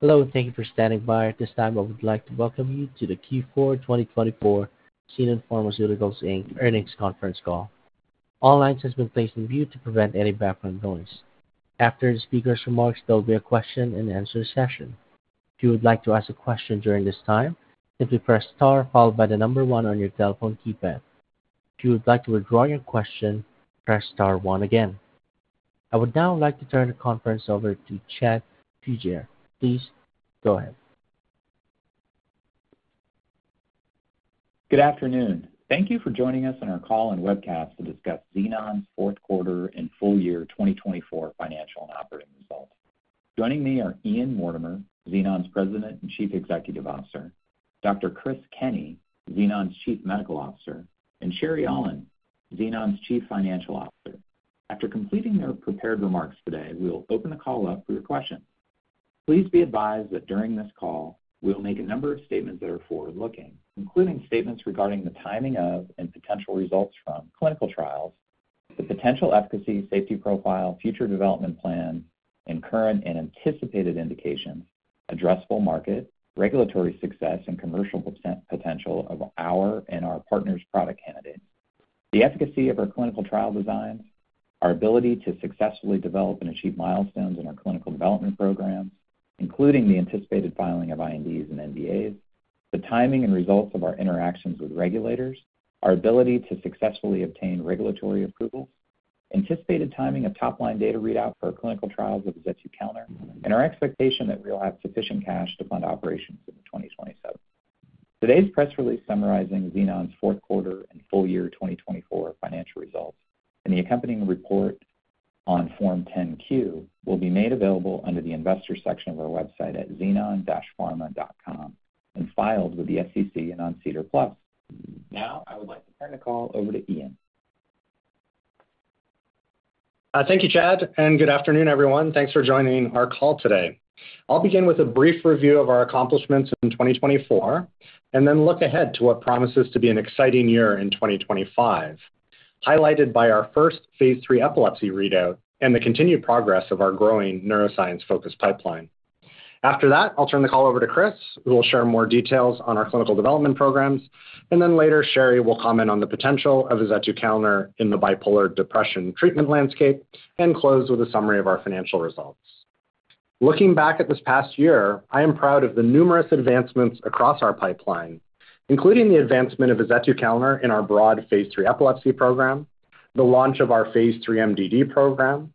Hello, and thank you for standing by. At this time, I would like to welcome you to the Q4 2024 Xenon Pharmaceuticals Earnings Conference Call. All lines have been placed on mute to prevent any background noise. After the speaker's remarks, there will be a question-and-answer session. If you would like to ask a question during this time, simply press star followed by the number one on your telephone keypad. If you would like to withdraw your question, press star one again. I would now like to turn the conference over to Chad Fugere. Please go ahead. Good afternoon. Thank you for joining us on our call and webcast to discuss Xenon's fourth quarter and full-year 2024 financial and operating results. Joining me are Ian Mortimer, Xenon's President and Chief Executive Officer, Dr. Chris Kenney, Xenon's Chief Medical Officer, and Sherry Aulin, Xenon's Chief Financial Officer. After completing their prepared remarks today, we will open the call up for your questions. Please be advised that during this call, we will make a number of statements that are forward-looking, including statements regarding the timing of and potential results from clinical trials, the potential efficacy safety profile, future development plans, and current and anticipated indications, addressable market, regulatory success, and commercial potential of our and our partners' product candidates, the efficacy of our clinical trial designs, our ability to successfully develop and achieve milestones in our clinical development programs, including the anticipated filing of INDs and NDAs, the timing and results of our interactions with regulators, our ability to successfully obtain regulatory approvals, anticipated timing of top-line data readout for our clinical trials of azetukalner, and our expectation that we will have sufficient cash to fund operations in 2027. Today's press release summarizing Xenon's fourth quarter and full-year 2024 financial results and the accompanying report on Form 10-Q will be made available under the Investor section of our website at xenon-pharma.com and filed with the SEC and SEDAR+. Now, I would like to turn the call over to Ian. Thank you, Chad, and good afternoon, everyone. Thanks for joining our call today. I'll begin with a brief review of our accomplishments in 2024 and then look ahead to what promises to be an exciting year in 2025, highlighted by our first Phase III epilepsy readout and the continued progress of our growing neuroscience-focused pipeline. After that, I'll turn the call over to Chris, who will share more details on our clinical development programs, and then later, Sherry will comment on the potential of azetukalner in the bipolar depression treatment landscape and close with a summary of our financial results. Looking back at this past year, I am proud of the numerous advancements across our pipeline, including the advancement of azetukalner in our broad Phase III epilepsy program, the launch of our Phase III MDD program,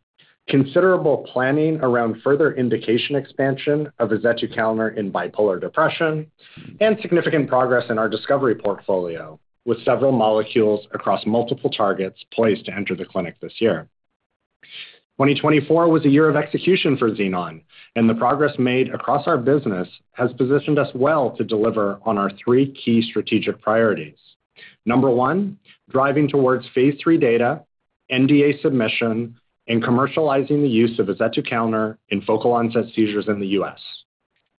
considerable planning around further indication expansion of azetukalner in bipolar depression, and significant progress in our discovery portfolio with several molecules across multiple targets poised to enter the clinic this year. 2024 was a year of execution for Xenon, and the progress made across our business has positioned us well to deliver on our three key strategic priorities. Number one, driving towards Phase III data, NDA submission, and commercializing the use of azetukalner in focal-onset seizures in the U.S.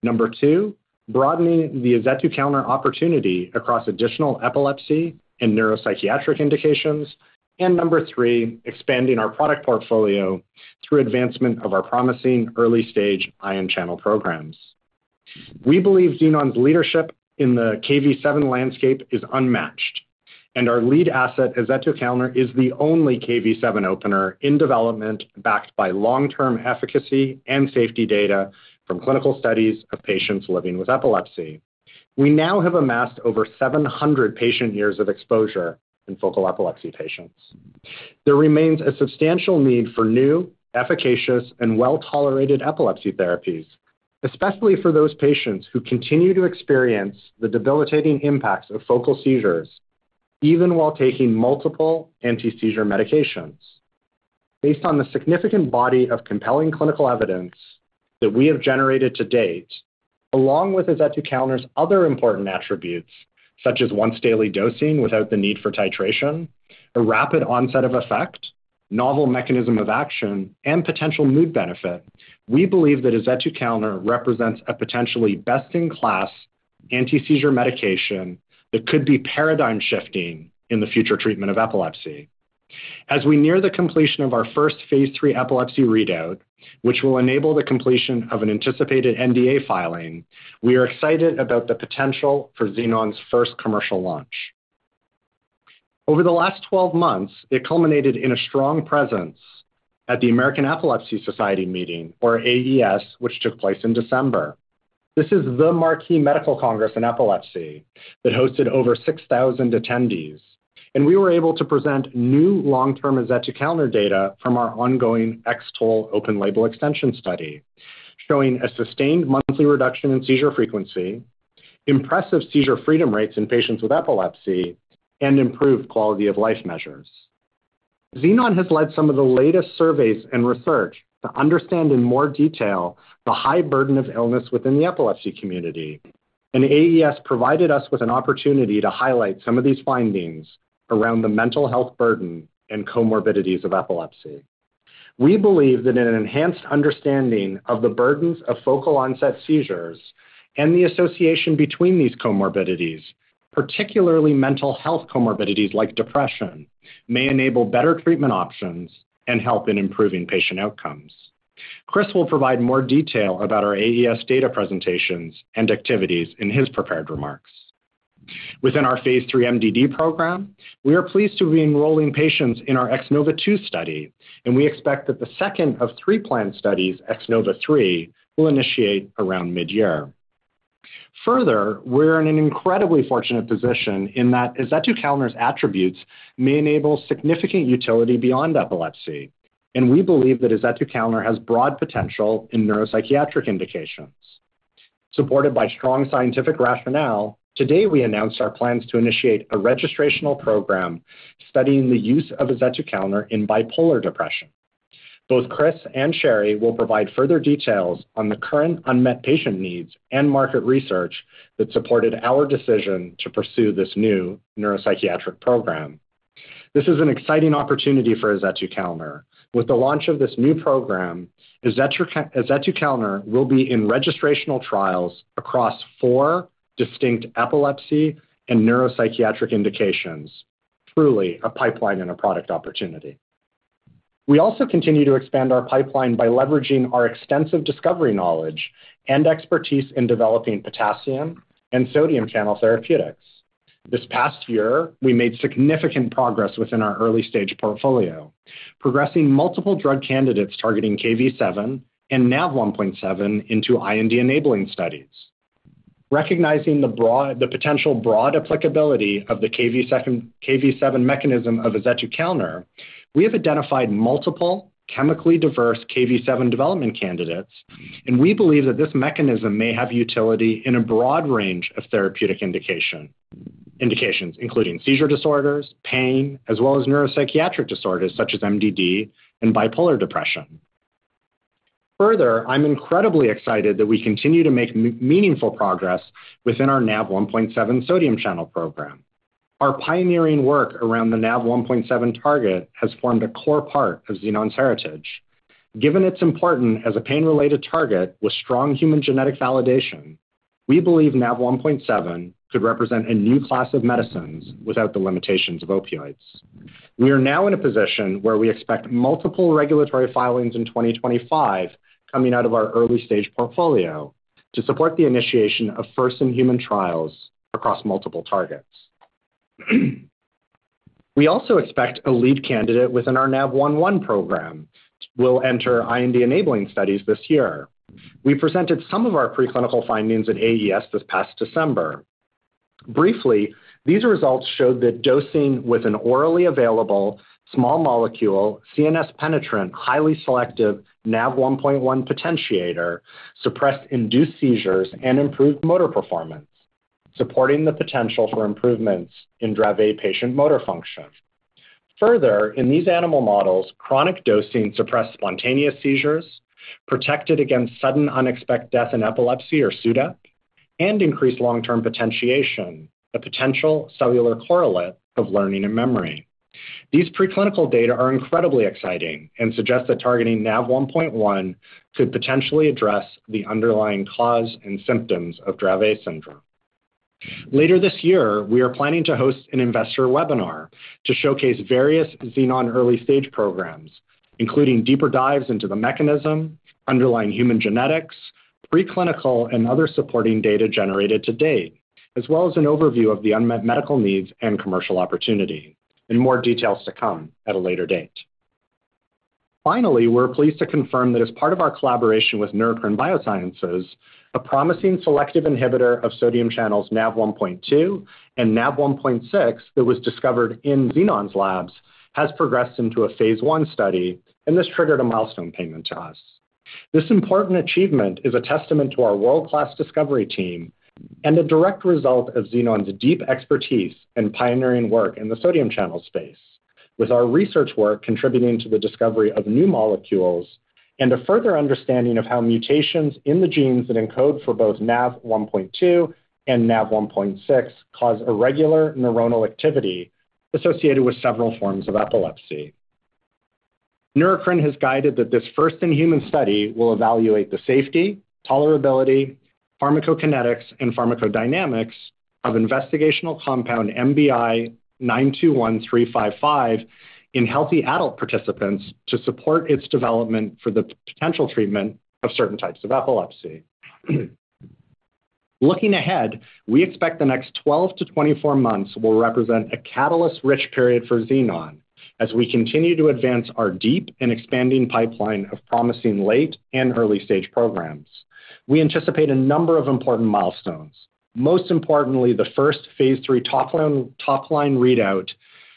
Number two, broadening the azetukalner opportunity across additional epilepsy and neuropsychiatric indications, and number three, expanding our product portfolio through advancement of our promising early-stage ion channel programs. We believe Xenon's leadership in the Kv7 landscape is unmatched, and our lead asset, azetukalner, is the only Kv7 opener in development backed by long-term efficacy and safety data from clinical studies of patients living with epilepsy. We now have amassed over 700 patient years of exposure in focal epilepsy patients. There remains a substantial need for new, efficacious, and well-tolerated epilepsy therapies, especially for those patients who continue to experience the debilitating impacts of focal seizures even while taking multiple anti-seizure medications. Based on the significant body of compelling clinical evidence that we have generated to date, along with azetukalner's other important attributes, such as once-daily dosing without the need for titration, a rapid onset of effect, novel mechanism of action, and potential mood benefit, we believe that azetukalner represents a potentially best-in-class anti-seizure medication that could be paradigm-shifting in the future treatment of epilepsy. As we near the completion of our first Phase III epilepsy readout, which will enable the completion of an anticipated NDA filing, we are excited about the potential for Xenon's first commercial launch. Over the last 12 months, it culminated in a strong presence at the American Epilepsy Society meeting, or AES, which took place in December. This is the marquee medical congress in epilepsy that hosted over 6,000 attendees, and we were able to present new long-term azetukalner data from our ongoing X-TOLE open-label extension study, showing a sustained monthly reduction in seizure frequency, impressive seizure freedom rates in patients with epilepsy, and improved quality of life measures. Xenon has led some of the latest surveys and research to understand in more detail the high burden of illness within the epilepsy community, and AES provided us with an opportunity to highlight some of these findings around the mental health burden and comorbidities of epilepsy. We believe that an enhanced understanding of the burdens of focal-onset seizures and the association between these comorbidities, particularly mental health comorbidities like depression, may enable better treatment options and help in improving patient outcomes. Chris will provide more detail about our AES data presentations and activities in his prepared remarks. Within our Phase III MDD program, we are pleased to be enrolling patients in our X-NOVA II study, and we expect that the second of three planned studies, X-NOVA III, will initiate around mid-year. Further, we're in an incredibly fortunate position in that azetukalner's attributes may enable significant utility beyond epilepsy, and we believe that azetukalner has broad potential in neuropsychiatric indications. Supported by strong scientific rationale, today we announced our plans to initiate a registrational program studying the use of azetukalner in bipolar depression. Both Chris and Sherry will provide further details on the current unmet patient needs and market research that supported our decision to pursue this new neuropsychiatric program. This is an exciting opportunity for azetukalner. With the launch of this new program, azetukalner will be in registrational trials across four distinct epilepsy and neuropsychiatric indications, truly a pipeline and a product opportunity. We also continue to expand our pipeline by leveraging our extensive discovery knowledge and expertise in developing potassium and sodium channel therapeutics. This past year, we made significant progress within our early-stage portfolio, progressing multiple drug candidates targeting Kv7 and Nav1.7 into IND-enabling studies. Recognizing the potential broad applicability of the Kv7 mechanism of azetukalner, we have identified multiple chemically diverse Kv7 development candidates, and we believe that this mechanism may have utility in a broad range of therapeutic indications, including seizure disorders, pain, as well as neuropsychiatric disorders such as MDD and bipolar depression. Further, I'm incredibly excited that we continue to make meaningful progress within our Nav1.7 sodium channel program. Our pioneering work around the Nav1.7 target has formed a core part of Xenon's heritage. Given its importance as a pain-related target with strong human genetic validation, we believe Nav1.7 could represent a new class of medicines without the limitations of opioids. We are now in a position where we expect multiple regulatory filings in 2025 coming out of our early-stage portfolio to support the initiation of first-in-human trials across multiple targets. We also expect a lead candidate within our Nav1.1 program will enter IND-enabling studies this year. We presented some of our preclinical findings at AES this past December. Briefly, these results showed that dosing with an orally available small molecule CNS-penetrant highly selective Nav1.1 potentiator suppressed induced seizures and improved motor performance, supporting the potential for improvements in Dravet patient motor function. Further, in these animal models, chronic dosing suppressed spontaneous seizures, protected against sudden unexpected death in epilepsy, or SUDEP, and increased long-term potentiation, the potential cellular correlate of learning and memory. These preclinical data are incredibly exciting and suggest that targeting Nav1.1 could potentially address the underlying cause and symptoms of Dravet syndrome. Later this year, we are planning to host an investor webinar to showcase various Xenon early-stage programs, including deeper dives into the mechanism, underlying human genetics, preclinical and other supporting data generated to date, as well as an overview of the unmet medical needs and commercial opportunity, and more details to come at a later date. Finally, we're pleased to confirm that as part of our collaboration with Neurocrine Biosciences, a promising selective inhibitor of sodium channels Nav1.2 and Nav1.6 that was discovered in Xenon's labs has progressed into a Phase I study, and this triggered a milestone payment to us. This important achievement is a testament to our world-class discovery team and a direct result of Xenon's deep expertise and pioneering work in the sodium channel space, with our research work contributing to the discovery of new molecules and a further understanding of how mutations in the genes that encode for both Nav1.2 and Nav1.6 cause irregular neuronal activity associated with several forms of epilepsy. Neurocrine has guided that this first-in-human study will evaluate the safety, tolerability, pharmacokinetics, and pharmacodynamics of investigational compound NBI-921355 in healthy adult participants to support its development for the potential treatment of certain types of epilepsy. Looking ahead, we expect the next 12 to 24 months will represent a catalyst-rich period for Xenon as we continue to advance our deep and expanding pipeline of promising late- and early-stage programs. We anticipate a number of important milestones, most importantly, the first Phase III top-line readout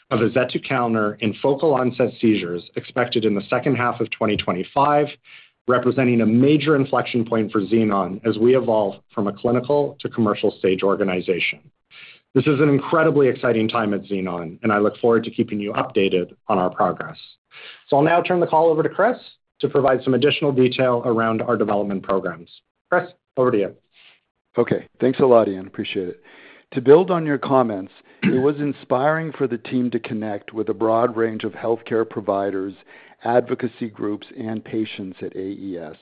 of azetukalner in focal-onset seizures expected in the second half of 2025, representing a major inflection point for Xenon as we evolve from a clinical to commercial-stage organization. This is an incredibly exciting time at Xenon, and I look forward to keeping you updated on our progress. So I'll now turn the call over to Chris to provide some additional detail around our development programs. Chris, over to you. Okay, thanks a lot, Ian. Appreciate it. To build on your comments, it was inspiring for the team to connect with a broad range of healthcare providers, advocacy groups, and patients at AES,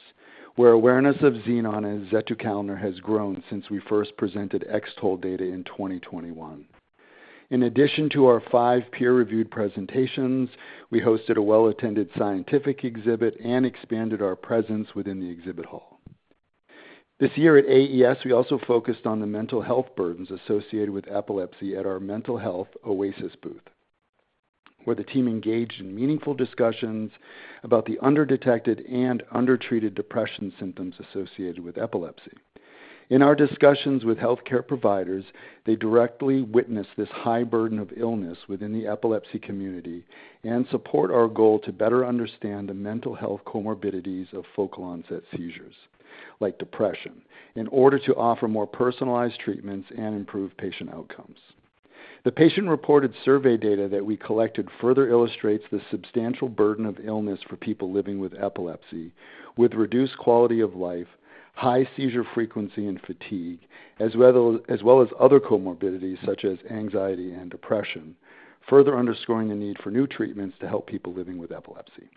where awareness of Xenon and azetukalner has grown since we first presented X-TOLE data in 2021. In addition to our five peer-reviewed presentations, we hosted a well-attended scientific exhibit and expanded our presence within the exhibit hall. This year at AES, we also focused on the mental health burdens associated with epilepsy at our mental health oasis booth, where the team engaged in meaningful discussions about the under-detected and undertreated depression symptoms associated with epilepsy. In our discussions with healthcare providers, they directly witnessed this high burden of illness within the epilepsy community and support our goal to better understand the mental health comorbidities of focal-onset seizures, like depression, in order to offer more personalized treatments and improve patient outcomes. The patient-reported survey data that we collected further illustrates the substantial burden of illness for people living with epilepsy, with reduced quality of life, high seizure frequency and fatigue, as well as other comorbidities such as anxiety and depression, further underscoring the need for new treatments to help people living with epilepsy.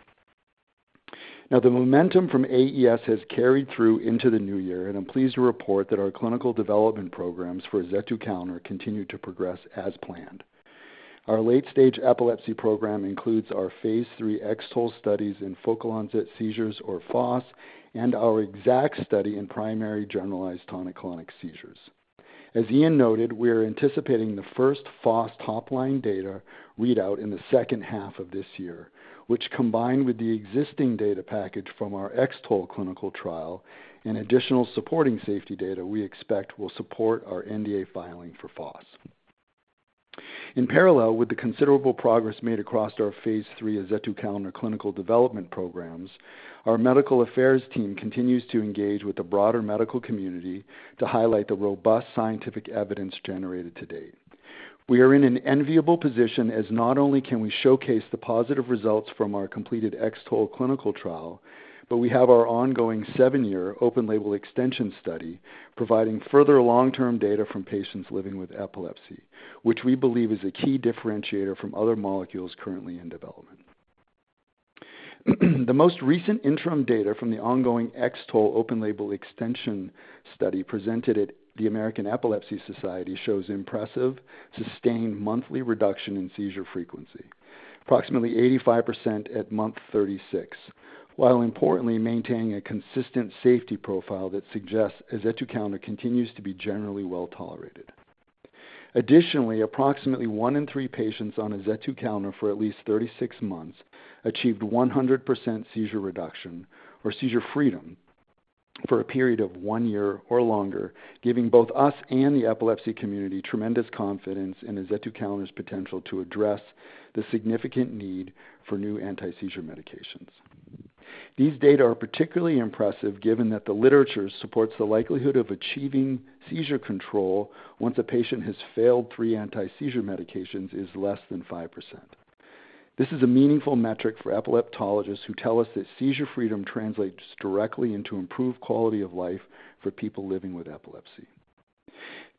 Now, the momentum from AES has carried through into the new year, and I'm pleased to report that our clinical development programs for azetukalner continue to progress as planned. Our late-stage epilepsy program includes our Phase III X-TOLE studies in focal-onset seizures, or FOS, and our X-ACKT study in primary generalized tonic-clonic seizures. As Ian noted, we are anticipating the first FOS top-line data readout in the second half of this year, which, combined with the existing data package from our X-TOLE clinical trial and additional supporting safety data, we expect will support our NDA filing for FOS. In parallel with the considerable progress made across our Phase III azetukalner clinical development programs, our medical affairs team continues to engage with the broader medical community to highlight the robust scientific evidence generated to date. We are in an enviable position as not only can we showcase the positive results from our completed X-TOLE clinical trial, but we have our ongoing seven-year open-label extension study providing further long-term data from patients living with epilepsy, which we believe is a key differentiator from other molecules currently in development. The most recent interim data from the ongoing X-TOLE open-label extension study presented at the American Epilepsy Society shows impressive, sustained monthly reduction in seizure frequency, approximately 85% at month 36, while importantly maintaining a consistent safety profile that suggests azetukalner continues to be generally well tolerated. Additionally, approximately one in three patients on azetukalner for at least 36 months achieved 100% seizure reduction or seizure freedom for a period of one year or longer, giving both us and the epilepsy community tremendous confidence in azetukalner's potential to address the significant need for new anti-seizure medications. These data are particularly impressive given that the literature supports the likelihood of achieving seizure control once a patient has failed three anti-seizure medications is less than 5%. This is a meaningful metric for epileptologists who tell us that seizure freedom translates directly into improved quality of life for people living with epilepsy.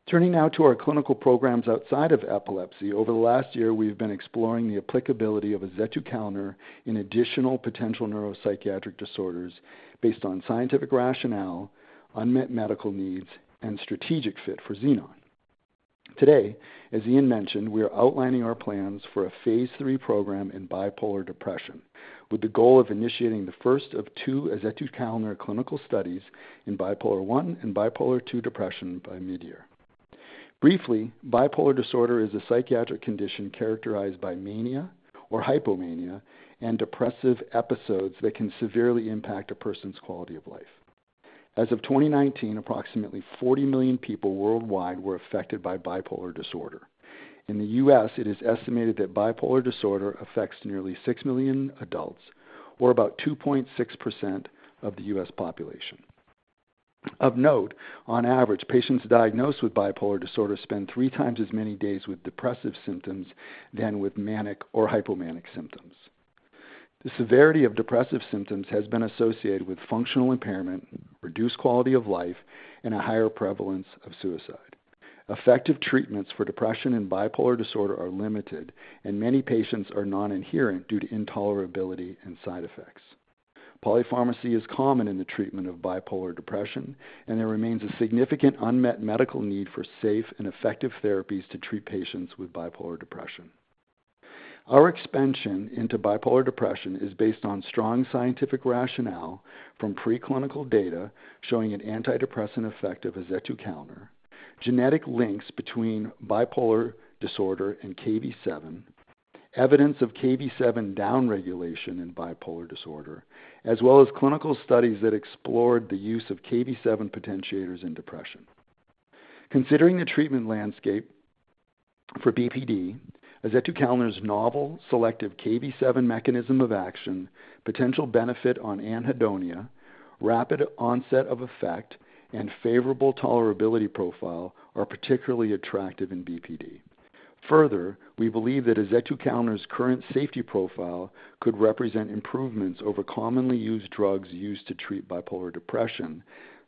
Turning now to our clinical programs outside of epilepsy, over the last year, we've been exploring the applicability of azetukalner in additional potential neuropsychiatric disorders based on scientific rationale, unmet medical needs, and strategic fit for Xenon. Today, as Ian mentioned, we are outlining our plans for a Phase III program in bipolar depression, with the goal of initiating the first of two azetukalner clinical studies in bipolar I and bipolar II depression by mid-year. Briefly, bipolar disorder is a psychiatric condition characterized by mania or hypomania and depressive episodes that can severely impact a person's quality of life. As of 2019, approximately 40 million people worldwide were affected by bipolar disorder. In the U.S., it is estimated that bipolar disorder affects nearly 6 million adults, or about 2.6% of the U.S. population. Of note, on average, patients diagnosed with bipolar disorder spend three times as many days with depressive symptoms than with manic or hypomanic symptoms. The severity of depressive symptoms has been associated with functional impairment, reduced quality of life, and a higher prevalence of suicide. Effective treatments for depression and bipolar disorder are limited, and many patients are non-adherent due to intolerability and side effects. Polypharmacy is common in the treatment of bipolar depression, and there remains a significant unmet medical need for safe and effective therapies to treat patients with bipolar depression. Our expansion into bipolar depression is based on strong scientific rationale from preclinical data showing an antidepressant effect of azetukalner, genetic links between bipolar disorder and Kv7, evidence of Kv7 downregulation in bipolar disorder, as well as clinical studies that explored the use of Kv7 potentiators in depression. Considering the treatment landscape for BPD, azetukalner's novel selective Kv7 mechanism of action, potential benefit on anhedonia, rapid onset of effect, and favorable tolerability profile are particularly attractive in BPD. Further, we believe that azetukalner's current safety profile could represent improvements over commonly used drugs used to treat bipolar depression,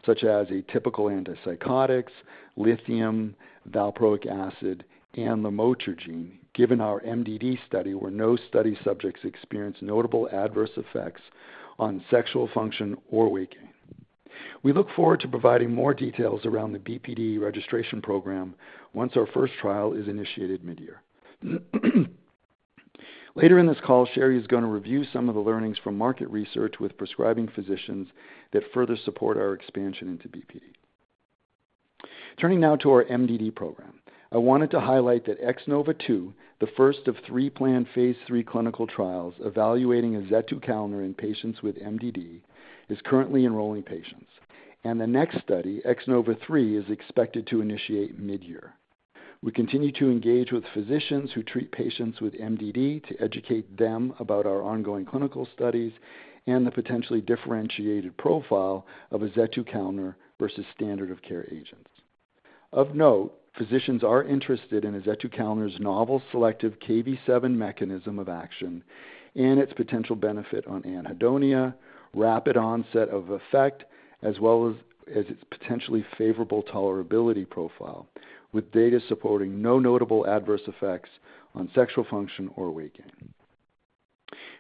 such as atypical antipsychotics, lithium, valproic acid, and lamotrigine, given our MDD study where no study subjects experienced notable adverse effects on sexual function or weight gain. We look forward to providing more details around the BPD registration program once our first trial is initiated mid-year. Later in this call, Sherry is going to review some of the learnings from market research with prescribing physicians that further support our expansion into BPD. Turning now to our MDD program, I wanted to highlight that X-NOVA II, the first of three planned Phase III clinical trials evaluating azetukalner in patients with MDD, is currently enrolling patients, and the next study, X-NOVA III, is expected to initiate mid-year. We continue to engage with physicians who treat patients with MDD to educate them about our ongoing clinical studies and the potentially differentiated profile of azetukalner versus standard of care agents. Of note, physicians are interested in azetukalner's novel selective Kv7 mechanism of action and its potential benefit on anhedonia, rapid onset of effect, as well as its potentially favorable tolerability profile, with data supporting no notable adverse effects on sexual function or weight gain.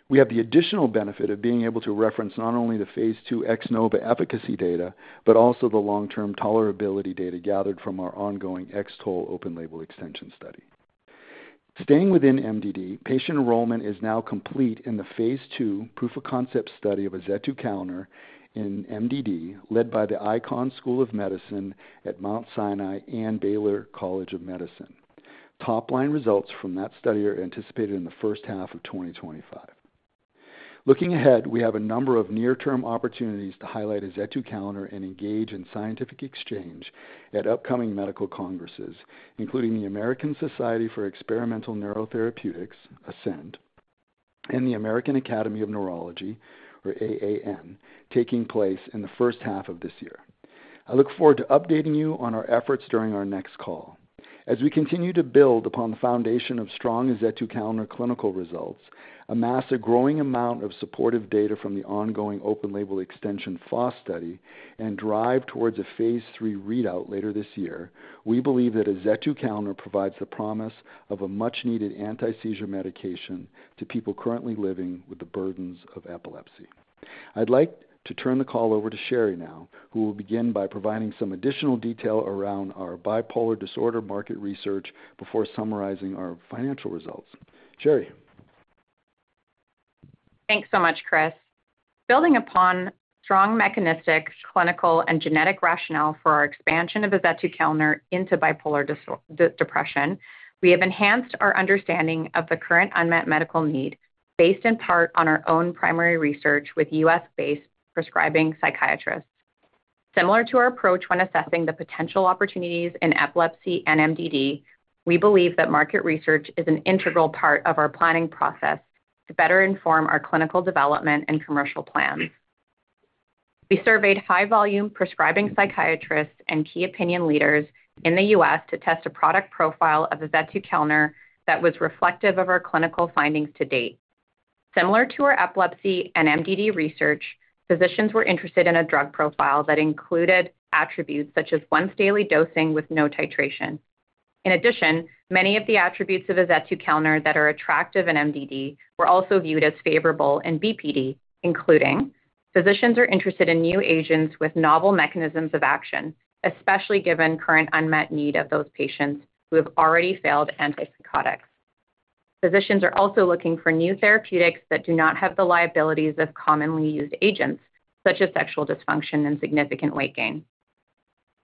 We have the additional benefit of being able to reference not only the Phase II XNOVA efficacy data, but also the long-term tolerability data gathered from our ongoing X-TOLE open-label extension study. Staying within MDD, patient enrollment is now complete in the Phase II proof of concept study of azetukalner in MDD led by the Icahn School of Medicine at Mount Sinai and Baylor College of Medicine. Top-line results from that study are anticipated in the first half of 2025. Looking ahead, we have a number of near-term opportunities to highlight azetukalner and engage in scientific exchange at upcoming medical congresses, including the American Society for Experimental Neurotherapeutics, ASENT, and the American Academy of Neurology, or AAN, taking place in the first half of this year. I look forward to updating you on our efforts during our next call. As we continue to build upon the foundation of strong azetukalner clinical results, amass a growing amount of supportive data from the ongoing open-label extension FOS study, and drive towards a Phase III readout later this year, we believe that azetukalner provides the promise of a much-needed anti-seizure medication to people currently living with the burdens of epilepsy. I'd like to turn the call over to Sherry now, who will begin by providing some additional detail around our bipolar disorder market research before summarizing our financial results. Sherry. Thanks so much, Chris. Building upon strong mechanistic clinical and genetic rationale for our expansion of azetukalner into bipolar depression, we have enhanced our understanding of the current unmet medical need based in part on our own primary research with U.S.-based prescribing psychiatrists. Similar to our approach when assessing the potential opportunities in epilepsy and MDD, we believe that market research is an integral part of our planning process to better inform our clinical development and commercial plans. We surveyed high-volume prescribing psychiatrists and key opinion leaders in the U.S. to test a product profile of azetukalner that was reflective of our clinical findings to date. Similar to our epilepsy and MDD research, physicians were interested in a drug profile that included attributes such as once-daily dosing with no titration. In addition, many of the attributes of a azetukalner that are attractive in MDD were also viewed as favorable in BPD, including physicians who are interested in new agents with novel mechanisms of action, especially given the current unmet need of those patients who have already failed antipsychotics. Physicians are also looking for new therapeutics that do not have the liabilities of commonly used agents, such as sexual dysfunction and significant weight gain.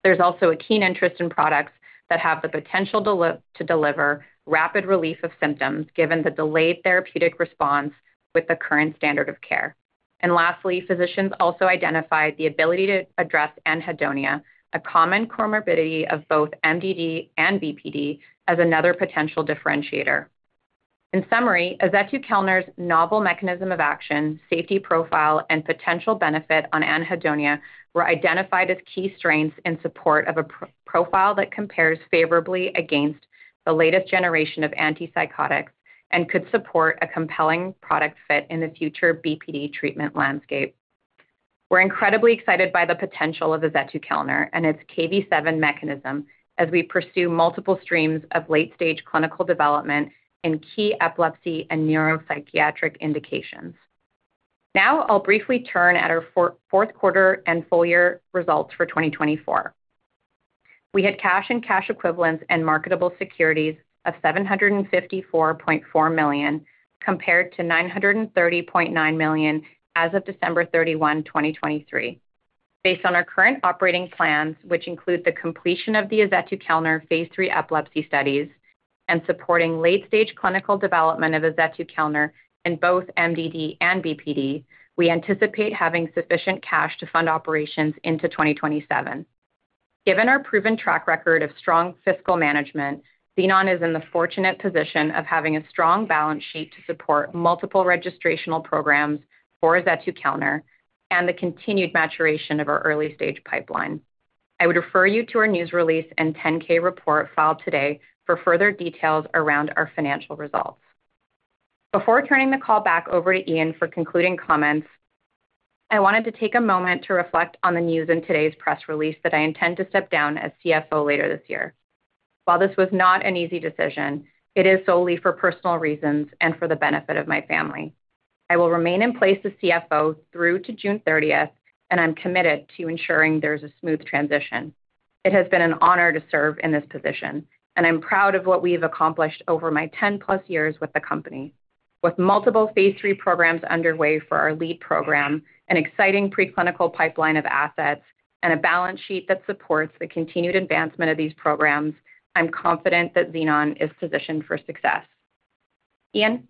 There's also a keen interest in products that have the potential to deliver rapid relief of symptoms given the delayed therapeutic response with the current standard of care. And lastly, physicians also identified the ability to address anhedonia, a common comorbidity of both MDD and BPD, as another potential differentiator. In summary, azetukalner's novel mechanism of action, safety profile, and potential benefit on anhedonia were identified as key strengths in support of a profile that compares favorably against the latest generation of antipsychotics and could support a compelling product fit in the future BPD treatment landscape. We're incredibly excited by the potential of azetukalner and its Kv7 mechanism as we pursue multiple streams of late-stage clinical development in key epilepsy and neuropsychiatric indications. Now, I'll briefly turn to our fourth quarter and full-year results for 2024. We had cash and cash equivalents and marketable securities of $754.4 million compared to $930.9 million as of December 31, 2023. Based on our current operating plans, which include the completion of the azetukalner Phase III epilepsy studies and supporting late-stage clinical development of azetukalner in both MDD and BPD, we anticipate having sufficient cash to fund operations into 2027. Given our proven track record of strong fiscal management, Xenon is in the fortunate position of having a strong balance sheet to support multiple registrational programs for azetukalner and the continued maturation of our early-stage pipeline. I would refer you to our news release and 10-K report filed today for further details around our financial results. Before turning the call back over to Ian for concluding comments, I wanted to take a moment to reflect on the news in today's press release that I intend to step down as CFO later this year. While this was not an easy decision, it is solely for personal reasons and for the benefit of my family. I will remain in place as CFO through to June 30th, and I'm committed to ensuring there's a smooth transition. It has been an honor to serve in this position, and I'm proud of what we've accomplished over my 10-plus years with the company, with multiple Phase III programs underway for our lead program, an exciting preclinical pipeline of assets, and a balance sheet that supports the continued advancement of these programs. I'm confident that Xenon is positioned for success. Ian.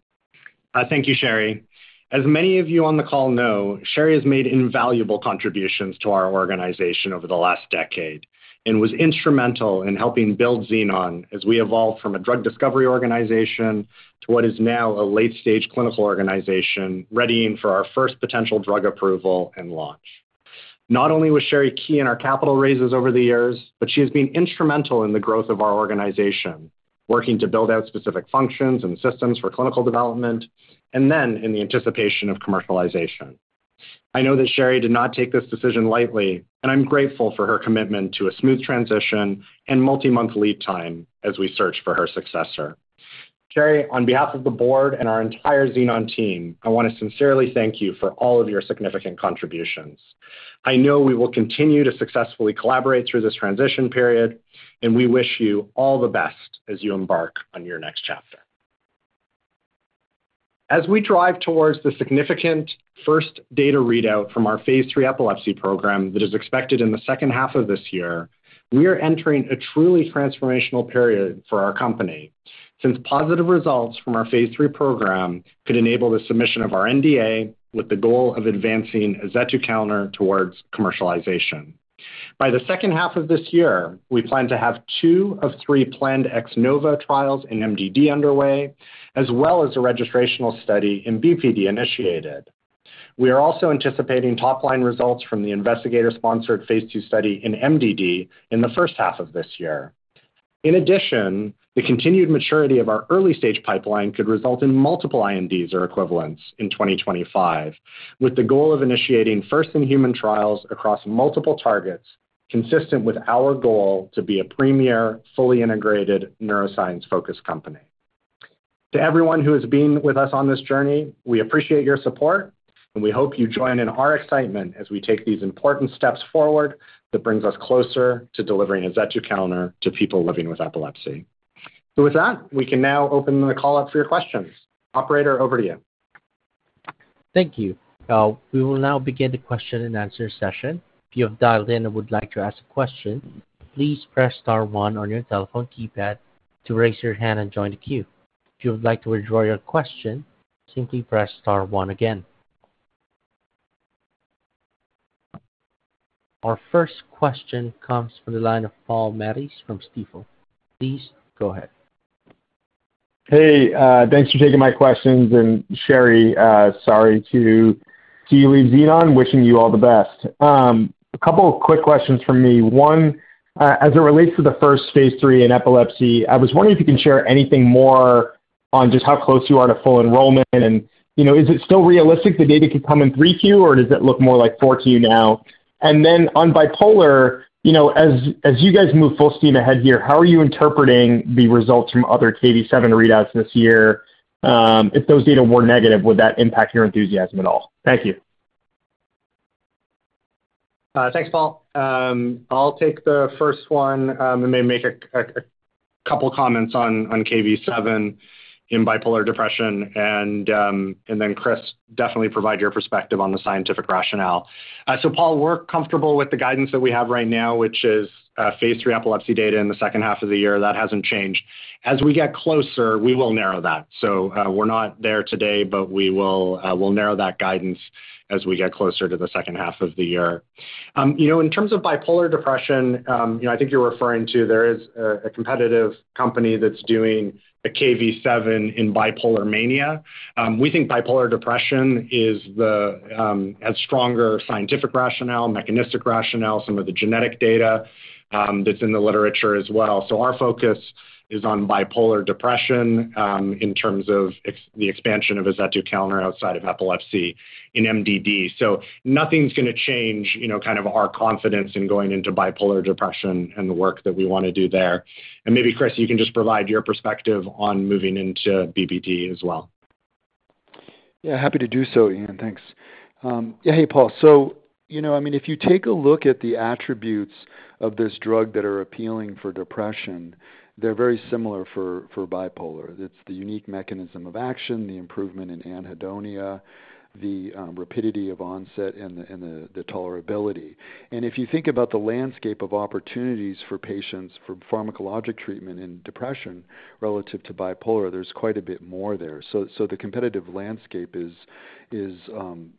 Thank you, Sherry. As many of you on the call know, Sherry has made invaluable contributions to our organization over the last decade and was instrumental in helping build Xenon as we evolved from a drug discovery organization to what is now a late-stage clinical organization readying for our first potential drug approval and launch. Not only was Sherry key in our capital raises over the years, but she has been instrumental in the growth of our organization, working to build out specific functions and systems for clinical development, and then in the anticipation of commercialization. I know that Sherry did not take this decision lightly, and I'm grateful for her commitment to a smooth transition and multi-month lead time as we search for her successor. Sherry, on behalf of the board and our entire Xenon team, I want to sincerely thank you for all of your significant contributions. I know we will continue to successfully collaborate through this transition period, and we wish you all the best as you embark on your next chapter. As we drive towards the significant first data readout from our Phase III epilepsy program that is expected in the second half of this year, we are entering a truly transformational period for our company since positive results from our Phase III program could enable the submission of our NDA with the goal of advancing azetukalner towards commercialization. By the second half of this year, we plan to have two of three planned XNOVA trials in MDD underway, as well as a registrational study in BPD initiated. We are also anticipating top-line results from the investigator-sponsored Phase II study in MDD in the first half of this year. In addition, the continued maturity of our early-stage pipeline could result in multiple INDs or equivalents in 2025, with the goal of initiating first-in-human trials across multiple targets consistent with our goal to be a premier, fully integrated neuroscience-focused company. To everyone who has been with us on this journey, we appreciate your support, and we hope you join in our excitement as we take these important steps forward that brings us closer to delivering an azetukalner to people living with epilepsy. So with that, we can now open the call up for your questions. Operator, over to you. Thank you. We will now begin the question-and-answer session. If you have dialed in and would like to ask a question, please press star one on your telephone keypad to raise your hand and join the queue. If you would like to withdraw your question, simply press star one again. Our first question comes from the line of Paul Matteis from Stifel. Please go ahead. Hey, thanks for taking my questions. And Sherry, sorry to leave Xenon, wishing you all the best. A couple of quick questions for me. One, as it relates to the first Phase III in epilepsy, I was wondering if you can share anything more on just how close you are to full enrollment, and is it still realistic the data could come in three Q, or does it look more like four Q now? And then on bipolar, as you guys move full steam ahead here, how are you interpreting the results from other Kv7 readouts this year? If those data were negative, would that impact your enthusiasm at all? Thank you. Thanks, Paul. I'll take the first one and maybe make a couple of comments on Kv7 in bipolar depression, and then Chris, definitely provide your perspective on the scientific rationale. So Paul, we're comfortable with the guidance that we have right now, which is Phase III epilepsy data in the second half of the year. That hasn't changed. As we get closer, we will narrow that. So we're not there today, but we will narrow that guidance as we get closer to the second half of the year. In terms of bipolar depression, I think you're referring to, there is a competitive company that's doing a Kv7 in bipolar mania. We think bipolar depression has stronger scientific rationale, mechanistic rationale, some of the genetic data that's in the literature as well. So our focus is on bipolar depression in terms of the expansion of azetukalner outside of epilepsy in MDD. So nothing's going to change kind of our confidence in going into bipolar depression and the work that we want to do there. And maybe, Chris, you can just provide your perspective on moving into BPD as well. Yeah, happy to do so, Ian. Thanks. Yeah, hey, Paul. So I mean, if you take a look at the attributes of this drug that are appealing for depression, they're very similar for bipolar. It's the unique mechanism of action, the improvement in anhedonia, the rapidity of onset, and the tolerability. And if you think about the landscape of opportunities for patients for pharmacologic treatment in depression relative to bipolar, there's quite a bit more there. So the competitive landscape is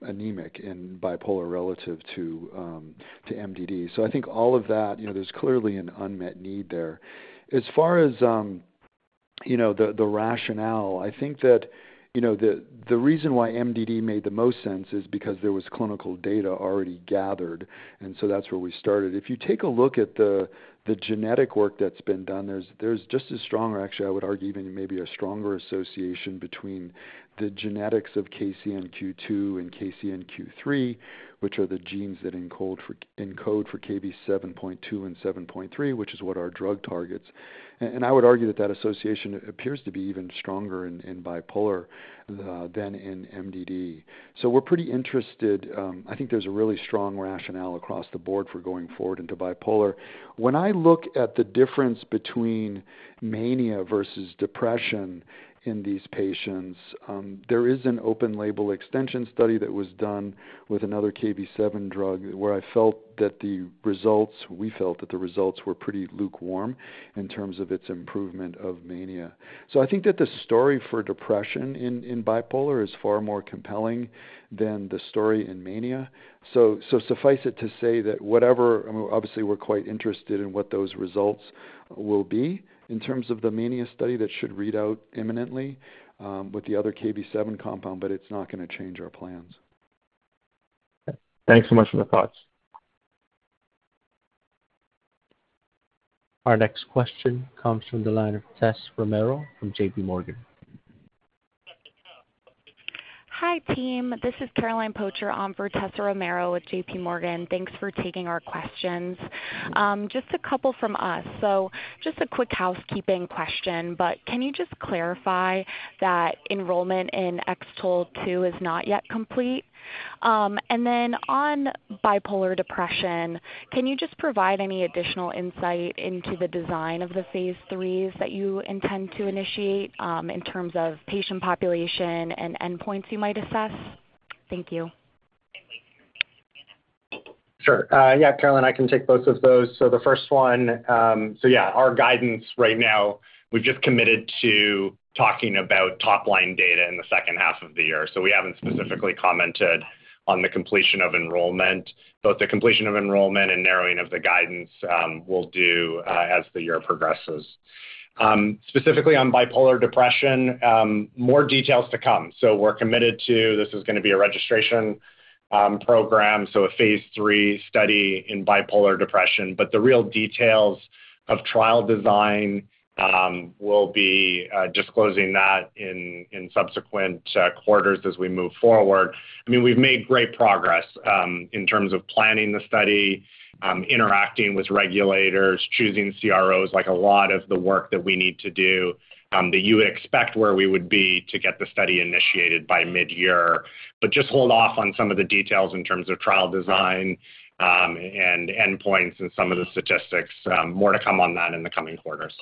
anemic in bipolar relative to MDD. So I think all of that, there's clearly an unmet need there. As far as the rationale, I think that the reason why MDD made the most sense is because there was clinical data already gathered, and so that's where we started. If you take a look at the genetic work that's been done, there's just as strong, or actually, I would argue even maybe a stronger association between the genetics of KCNQ2 and KCNQ3, which are the genes that encode for Kv7.2 and Kv7.3, which is what our drug targets. And I would argue that that association appears to be even stronger in bipolar than in MDD. So we're pretty interested. I think there's a really strong rationale across the board for going forward into bipolar. When I look at the difference between mania versus depression in these patients, there is an open-label extension study that was done with another Kv7 drug where I felt that the results, we felt that the results were pretty lukewarm in terms of its improvement of mania. I think that the story for depression in bipolar is far more compelling than the story in mania. Suffice it to say that whatever, obviously, we're quite interested in what those results will be in terms of the mania study that should read out imminently with the other Kv7 compound, but it's not going to change our plans. Thanks so much for the thoughts. Our next question comes from the line of Tessa Romero from JPMorgan. Hi, team. This is Caroline Pocher on for Tessa Romero with JPMorgan. Thanks for taking our questions. Just a couple from us. So just a quick housekeeping question, but can you just clarify that enrollment in X-TOLE II is not yet complete? And then on bipolar depression, can you just provide any additional insight into the design of the Phase III's that you intend to initiate in terms of patient population and endpoints you might assess? Thank you. Sure. Yeah, Caroline, I can take both of those. So the first one, so yeah, our guidance right now, we've just committed to talking about top-line data in the second half of the year. So we haven't specifically commented on the completion of enrollment, both the completion of enrollment and narrowing of the guidance we'll do as the year progresses. Specifically on bipolar depression, more details to come. So we're committed to this is going to be a registration program, so a Phase III study in bipolar depression, but the real details of trial design will be disclosing that in subsequent quarters as we move forward. I mean, we've made great progress in terms of planning the study, interacting with regulators, choosing CROs, like a lot of the work that we need to do that you would expect where we would be to get the study initiated by mid-year, but just hold off on some of the details in terms of trial design and endpoints and some of the statistics. More to come on that in the coming quarters.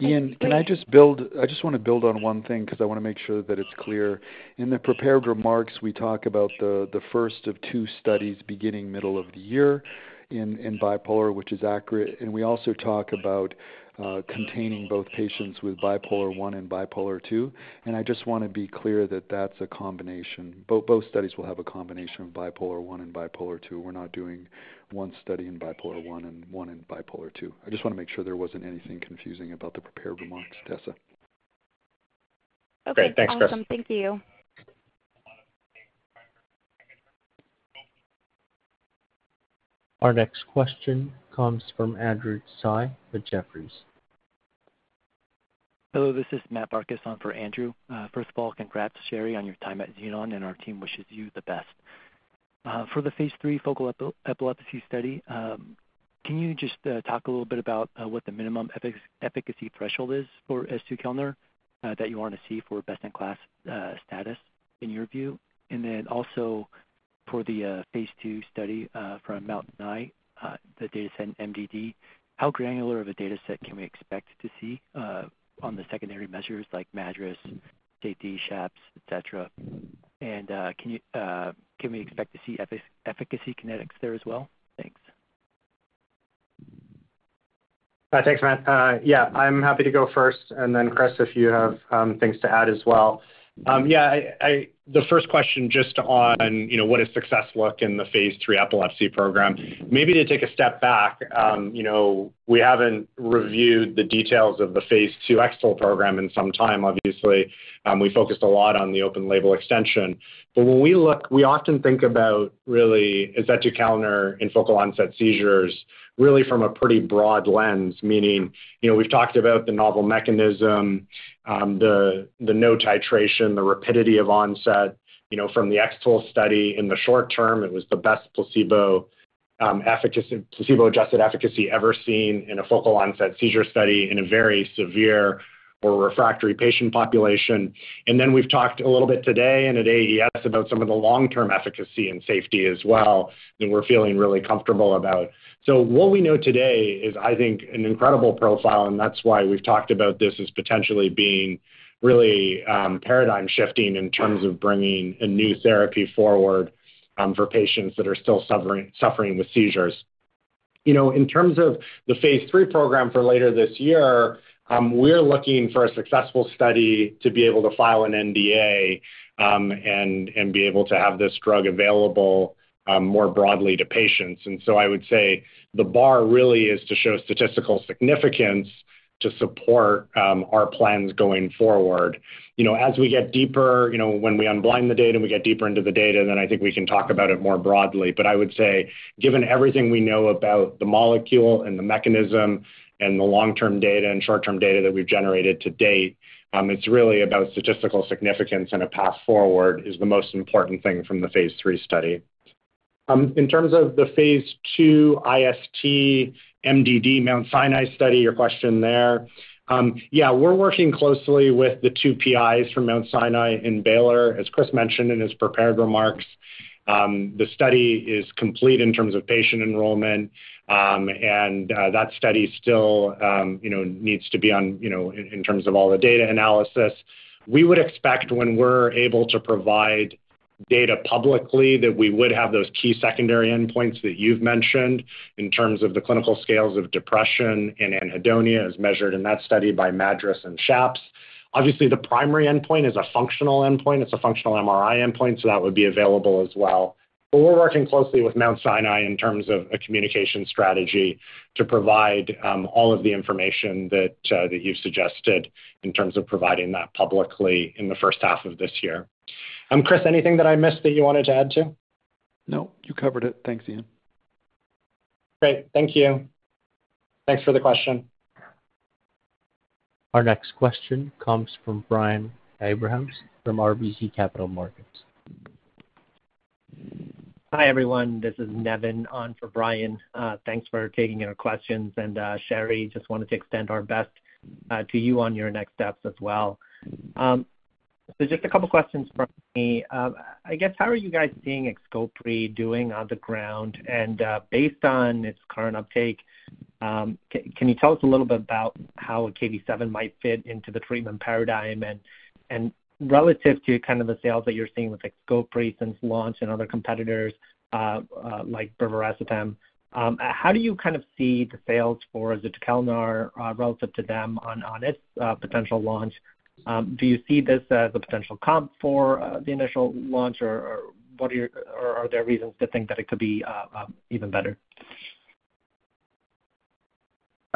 Ian, can I just build? I just want to build on one thing because I want to make sure that it's clear. In the prepared remarks, we talk about the first of two studies beginning middle of the year in bipolar, which is accurate, and we also talk about containing both patients with bipolar I and bipolar II. And I just want to be clear that that's a combination. Both studies will have a combination of bipolar I and bipolar II. We're not doing one study in bipolar I and one in bipolar II. I just want to make sure there wasn't anything confusing about the prepared remarks, Tessa. Okay. Thanks, Chris. Awesome. Thank you. Our next question comes from Andrew Tsai with Jefferies. Hello, this is Matt Barcus on for Andrew. First of all, congrats, Sherry, on your time at Xenon, and our team wishes you the best. For the Phase III focal epilepsy study, can you just talk a little bit about what the minimum efficacy threshold is for azetukalner that you want to see for best-in-class status in your view? And then also for the Phase II study from Mount Sinai, the data set in MDD, how granular of a data set can we expect to see on the secondary measures like MADRS, safety, SHAPS, etc.? And can we expect to see efficacy kinetics there as well? Thanks. Thanks, Matt. Yeah, I'm happy to go first, and then Chris, if you have things to add as well. Yeah, the first question just on what does success look like in the Phase III epilepsy program? Maybe to take a step back, we haven't reviewed the details of the Phase II X-TOLE program in some time, obviously. We focused a lot on the open-label extension, but when we look, we often think about really azetukalner in focal-onset seizures really from a pretty broad lens, meaning we've talked about the novel mechanism, the no titration, the rapidity of onset. From the X-TOLE study in the short term, it was the best placebo-adjusted efficacy ever seen in a focal-onset seizure study in a very severe or refractory patient population. And then we've talked a little bit today and at AES about some of the long-term efficacy and safety as well that we're feeling really comfortable about. So what we know today is, I think, an incredible profile, and that's why we've talked about this as potentially being really paradigm-shifting in terms of bringing a new therapy forward for patients that are still suffering with seizures. In terms of the Phase III program for later this year, we're looking for a successful study to be able to file an NDA and be able to have this drug available more broadly to patients. And so I would say the bar really is to show statistical significance to support our plans going forward. As we get deeper, when we unblind the data and we get deeper into the data, then I think we can talk about it more broadly. But I would say, given everything we know about the molecule and the mechanism and the long-term data and short-term data that we've generated to date, it's really about statistical significance and a path forward is the most important thing from the Phase III study. In terms of the Phase II IST MDD Mount Sinai study, your question there, yeah, we're working closely with the two PIs from Mount Sinai in Baylor, as Chris mentioned in his prepared remarks. The study is complete in terms of patient enrollment, and that study still needs to be done in terms of all the data analysis. We would expect when we're able to provide data publicly that we would have those key secondary endpoints that you've mentioned in terms of the clinical scales of depression and anhedonia as measured in that study by MADRS and SHAPS. Obviously, the primary endpoint is a functional endpoint. It's a functional MRI endpoint, so that would be available as well. But we're working closely with Mount Sinai in terms of a communication strategy to provide all of the information that you've suggested in terms of providing that publicly in the first half of this year. Chris, anything that I missed that you wanted to add to? No, you covered it. Thanks, Ian. Great. Thank you. Thanks for the question. Our next question comes from Brian Abrahams from RBC Capital Markets. Hi, everyone. This is Nevin on for Brian. Thanks for taking our questions, and Sherry, just wanted to extend our best to you on your next steps as well. So just a couple of questions from me. I guess, how are you guys seeing Xcopri doing on the ground? And based on its current uptake, can you tell us a little bit about how a Kv7 might fit into the treatment paradigm and relative to kind of the sales that you're seeing with Xcopri since launch and other competitors like brivaracetam? How do you kind of see the sales for azetukalner relative to them on its potential launch? Do you see this as a potential comp for the initial launch, or are there reasons to think that it could be even better?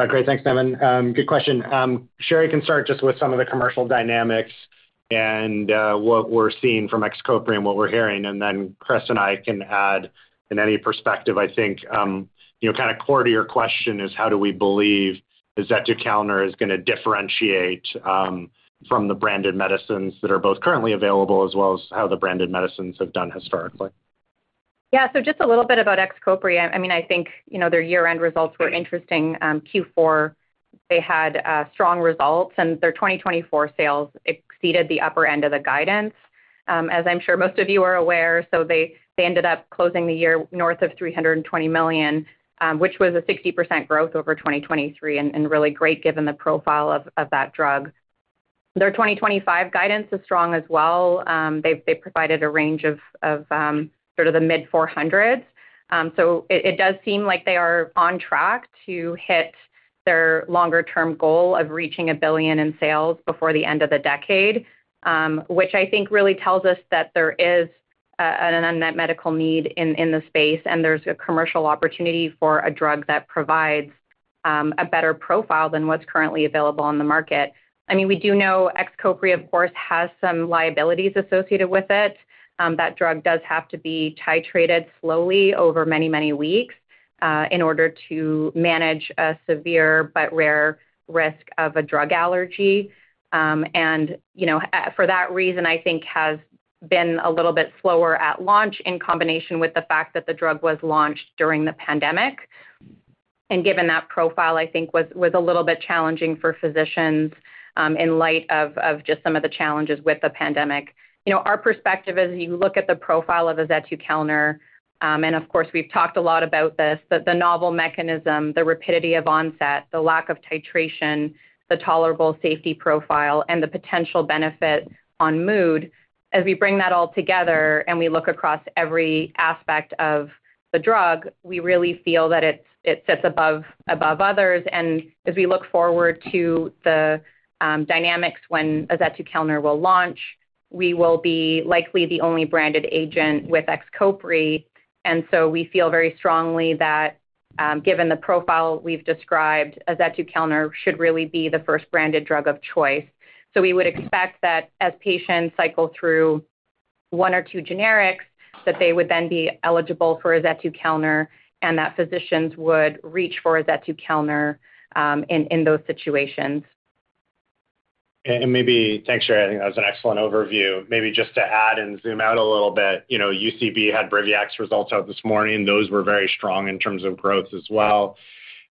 Great. Thanks, Nevin. Good question. Sherry can start just with some of the commercial dynamics and what we're seeing from Xcopri and what we're hearing. And then Chris and I can add in any perspective, I think. Kind of core to your question is how do we believe azetukalner is going to differentiate from the branded medicines that are both currently available as well as how the branded medicines have done historically? Yeah. So just a little bit about Xcopri. I mean, I think their year-end results were interesting. Q4, they had strong results, and their 2024 sales exceeded the upper end of the guidance, as I'm sure most of you are aware. So they ended up closing the year north of $320 million, which was a 60% growth over 2023 and really great given the profile of that drug. Their 2025 guidance is strong as well. They provided a range of sort of the mid-$400s. So it does seem like they are on track to hit their longer-term goal of reaching $1 billion in sales before the end of the decade, which I think really tells us that there is an unmet medical need in the space and there's a commercial opportunity for a drug that provides a better profile than what's currently available on the market. I mean, we do know Xcopri, of course, has some liabilities associated with it. That drug does have to be titrated slowly over many, many weeks in order to manage a severe but rare risk of a drug allergy. And for that reason, I think has been a little bit slower at launch in combination with the fact that the drug was launched during the pandemic. And given that profile, I think was a little bit challenging for physicians in light of just some of the challenges with the pandemic. Our perspective is you look at the profile of azetukalner, and of course, we've talked a lot about this, the novel mechanism, the rapidity of onset, the lack of titration, the tolerable safety profile, and the potential benefit on mood. As we bring that all together and we look across every aspect of the drug, we really feel that it sits above others. And as we look forward to the dynamics when azetukalner will launch, we will be likely the only branded agent with Xcopri. And so we feel very strongly that given the profile we've described, azetukalner should really be the first branded drug of choice. So we would expect that as patients cycle through one or two generics, that they would then be eligible for azetukalner and that physicians would reach for azetukalner in those situations. And maybe thanks, Sherry. I think that was an excellent overview. Maybe just to add and zoom out a little bit, UCB had Briviact results out this morning. Those were very strong in terms of growth as well.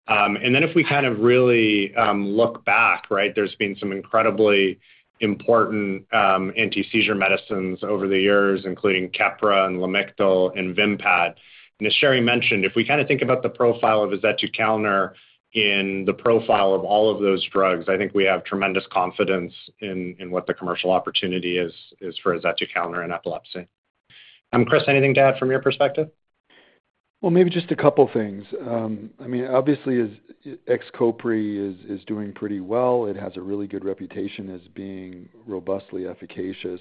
And then if we kind of really look back, right, there's been some incredibly important anti-seizure medicines over the years, including Keppra and Lamictal and Vimpat. And as Sherry mentioned, if we kind of think about the profile of azetukalner in the profile of all of those drugs, I think we have tremendous confidence in what the commercial opportunity is for azetukalner in epilepsy. Chris, anything to add from your perspective? Maybe just a couple of things. I mean, obviously, Xcopri is doing pretty well. It has a really good reputation as being robustly efficacious.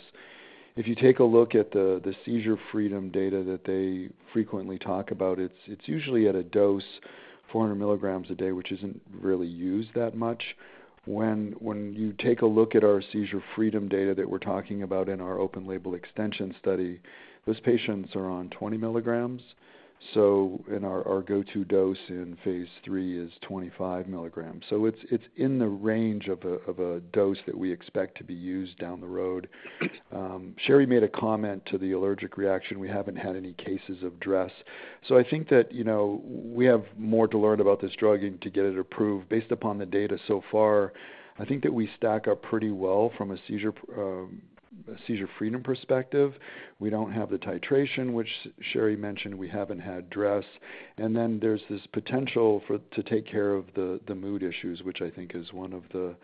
If you take a look at the seizure freedom data that they frequently talk about, it's usually at a dose, 400 mg a day, which isn't really used that much. When you take a look at our seizure freedom data that we're talking about in our open-label extension study, those patients are on 20 mg. So our go-to dose in Phase III is 25 mg. So it's in the range of a dose that we expect to be used down the road. Sherry made a comment to the allergic reaction. We haven't had any cases of DRESS. So I think that we have more to learn about this drug and to get it approved. Based upon the data so far, I think that we stack up pretty well from a seizure freedom perspective. We don't have the titration, which Sherry mentioned we haven't had DRESS. And then there's this potential to take care of the mood issues, which I think is one of the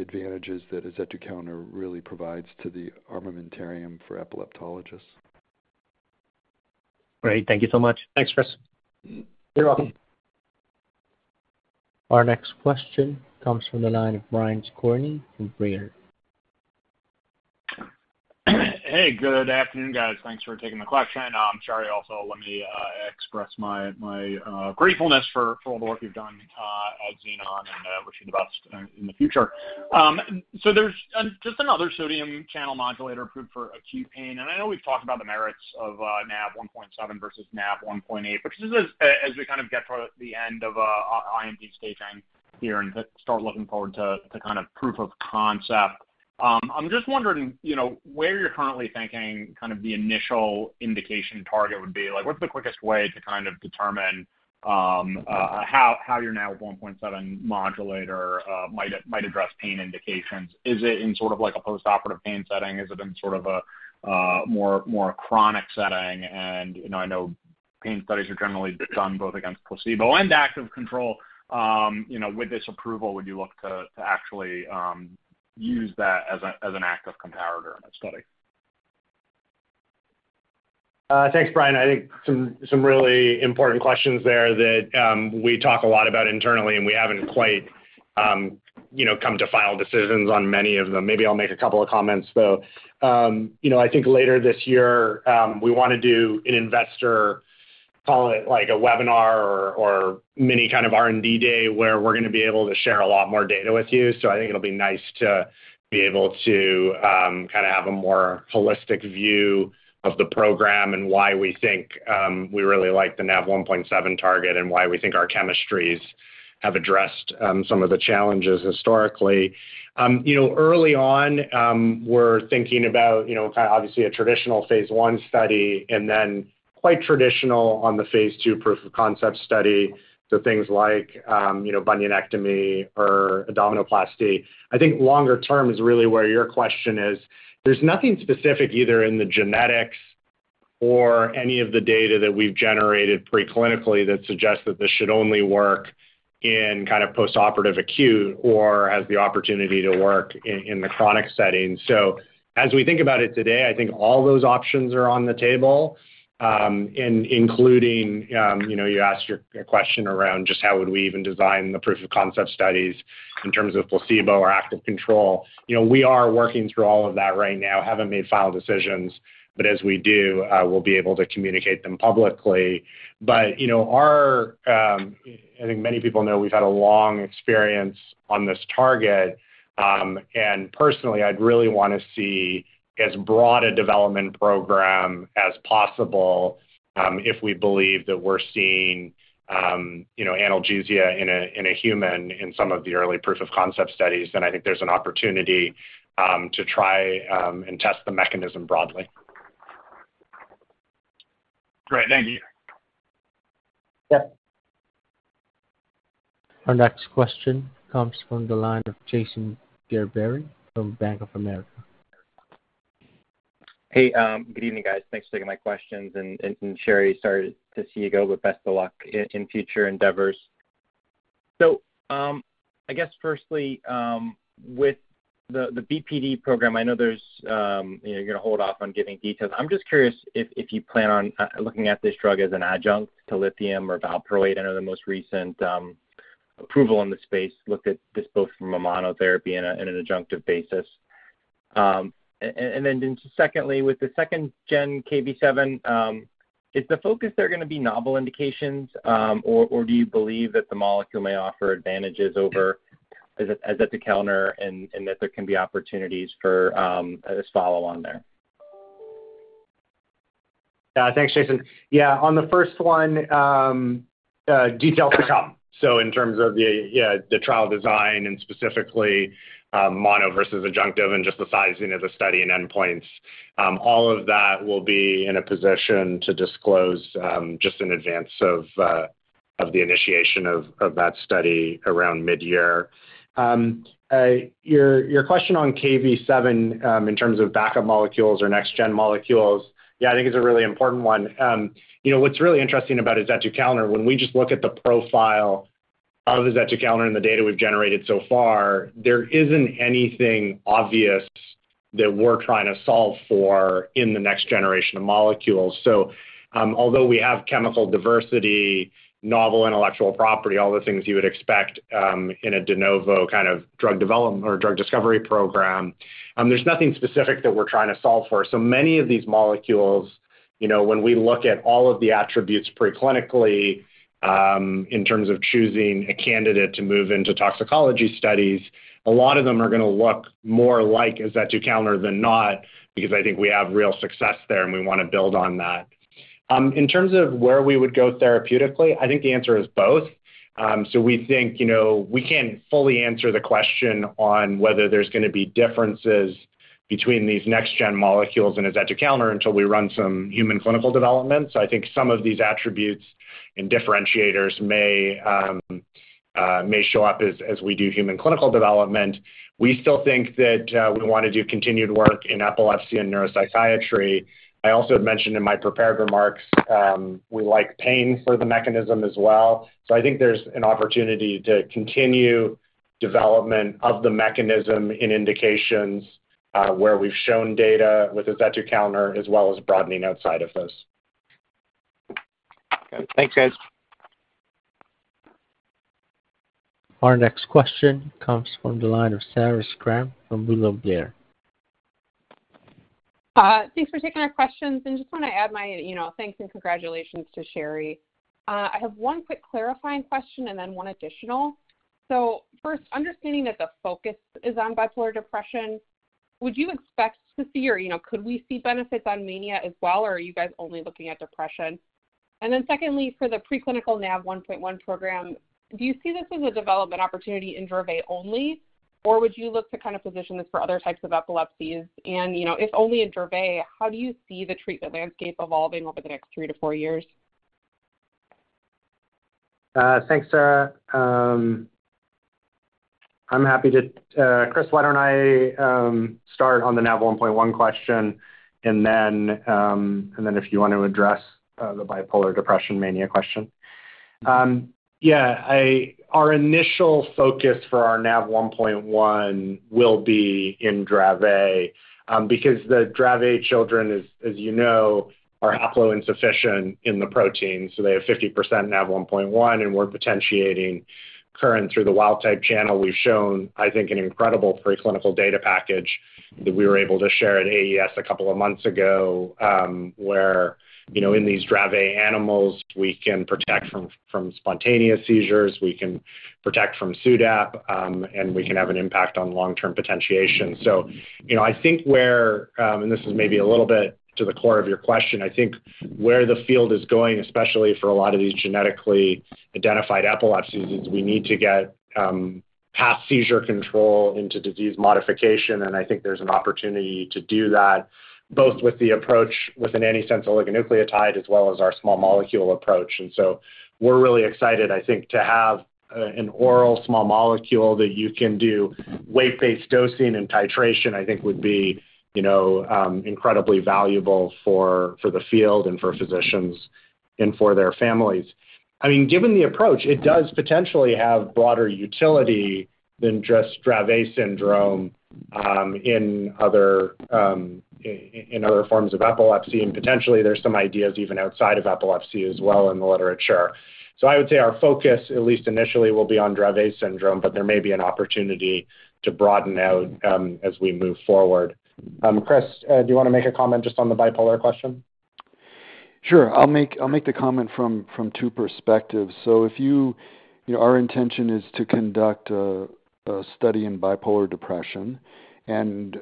advantages that azetukalner really provides to the armamentarium for epileptologists. Great. Thank you so much. Thanks, Chris. You're welcome. Our next question comes from the line of Brian Skorney from Baird. Hey, good afternoon, guys. Thanks for taking the question. Sherry, also, let me express my gratefulness for all the work you've done at Xenon and wish you the best in the future. So there's just another sodium channel modulator approved for acute pain. And I know we've talked about the merits of Nav1.7 versus Nav1.8, which is as we kind of get toward the end of IND staging here and start looking forward to kind of proof of concept. I'm just wondering where you're currently thinking kind of the initial indication target would be. What's the quickest way to kind of determine how your Nav1.7 modulator might address pain indications? Is it in sort of like a postoperative pain setting? Is it in sort of a more chronic setting? And I know pain studies are generally done both against placebo and active control. With this approval, would you look to actually use that as an active comparator in a study? Thanks, Brian. I think some really important questions there that we talk a lot about internally, and we haven't quite come to final decisions on many of them. Maybe I'll make a couple of comments, though. I think later this year, we want to do an investor call, like a webinar or mini kind of R&D day where we're going to be able to share a lot more data with you. So I think it'll be nice to be able to kind of have a more holistic view of the program and why we think we really like the Nav1.7 target and why we think our chemistries have addressed some of the challenges historically. Early on, we're thinking about kind of obviously a traditional Phase I study and then quite traditional on the Phase II proof of concept study, so things like bunionectomy or abdominoplasty. I think longer term is really where your question is. There's nothing specific either in the genetics or any of the data that we've generated preclinically that suggests that this should only work in kind of postoperative acute or has the opportunity to work in the chronic setting. So as we think about it today, I think all those options are on the table, including you asked your question around just how would we even design the proof of concept studies in terms of placebo or active control. We are working through all of that right now, haven't made final decisions, but as we do, we'll be able to communicate them publicly. But I think many people know we've had a long experience on this target. And personally, I'd really want to see as broad a development program as possible. If we believe that we're seeing analgesia in a human in some of the early proof of concept studies, then I think there's an opportunity to try and test the mechanism broadly. Great. Thank you. Yep. Our next question comes from the line of Jason Gerberry from Bank of America. Hey, good evening, guys. Thanks for taking my questions. And Sherry, sorry to see you go, but best of luck in future endeavors. So I guess firstly, with the BPD program, I know you're going to hold off on giving details. I'm just curious if you plan on looking at this drug as an adjunct to lithium or valproate. I know the most recent approval in the space looked at this both from a monotherapy and an adjunctive basis. And then secondly, with the second-gen Kv7, is the focus there going to be novel indications, or do you believe that the molecule may offer advantages over azetukalner and that there can be opportunities for this follow-on there? Yeah. Thanks, Jason. Yeah. On the first one, details to come. So in terms of the trial design and specifically mono versus adjunctive and just the sizing of the study and endpoints, all of that will be in a position to disclose just in advance of the initiation of that study around mid-year. Your question on Kv7 in terms of backup molecules or next-gen molecules, yeah, I think is a really important one. What's really interesting about azetukalner, when we just look at the profile of azetukalner and the data we've generated so far, there's nothing obvious that we're trying to solve for in the next generation of molecules. So although we have chemical diversity, novel intellectual property, all the things you would expect in a de novo kind of drug development or drug discovery program, there's nothing specific that we're trying to solve for. So many of these molecules, when we look at all of the attributes preclinically in terms of choosing a candidate to move into toxicology studies, a lot of them are going to look more like azetukalner than not because I think we have real success there and we want to build on that. In terms of where we would go therapeutically, I think the answer is both. So we think we can't fully answer the question on whether there's going to be differences between these next-gen molecules and azetukalner until we run some human clinical development. So I think some of these attributes and differentiators may show up as we do human clinical development. We still think that we want to do continued work in epilepsy and neuropsychiatry. I also had mentioned in my prepared remarks, we like pain for the mechanism as well. I think there's an opportunity to continue development of the mechanism in indications where we've shown data with azetukalner as well as broadening outside of those. Thanks, guys. Our next question comes from the line of Sarah Schramm from William Blair. Thanks for taking our questions. And just want to add my thanks and congratulations to Sherry. I have one quick clarifying question and then one additional. So first, understanding that the focus is on bipolar depression, would you expect to see or could we see benefits on mania as well, or are you guys only looking at depression? And then secondly, for the preclinical Nav1.1 program, do you see this as a development opportunity in Dravet only, or would you look to kind of position this for other types of epilepsies? And if only in Dravet, how do you see the treatment landscape evolving over the next three to four years? Thanks, Sarah. I'm happy to, Chris, why don't I start on the Nav1.1 question and then if you want to address the bipolar depression mania question. Yeah. Our initial focus for our Nav1.1 will be in Dravet because the Dravet children, as you know, are haploinsufficient in the protein. So they have 50% Nav1.1, and we're potentiating current through the wild-type channel. We've shown, I think, an incredible preclinical data package that we were able to share at AES a couple of months ago where in these Dravet animals, we can protect from spontaneous seizures, we can protect from SUDEP, and we can have an impact on long-term potentiation. So I think where, and this is maybe a little bit to the core of your question, I think where the field is going, especially for a lot of these genetically identified epilepsies, is we need to get past seizure control into disease modification. And I think there's an opportunity to do that both with the approach with an antisense oligonucleotide as well as our small molecule approach. And so we're really excited, I think, to have an oral small molecule that you can do weight-based dosing and titration, I think, would be incredibly valuable for the field and for physicians and for their families. I mean, given the approach, it does potentially have broader utility than just Dravet syndrome in other forms of epilepsy. And potentially, there's some ideas even outside of epilepsy as well in the literature. So I would say our focus, at least initially, will be on Dravet syndrome, but there may be an opportunity to broaden out as we move forward. Chris, do you want to make a comment just on the bipolar question? Sure. I'll make the comment from two perspectives, so our intention is to conduct a study in bipolar depression. And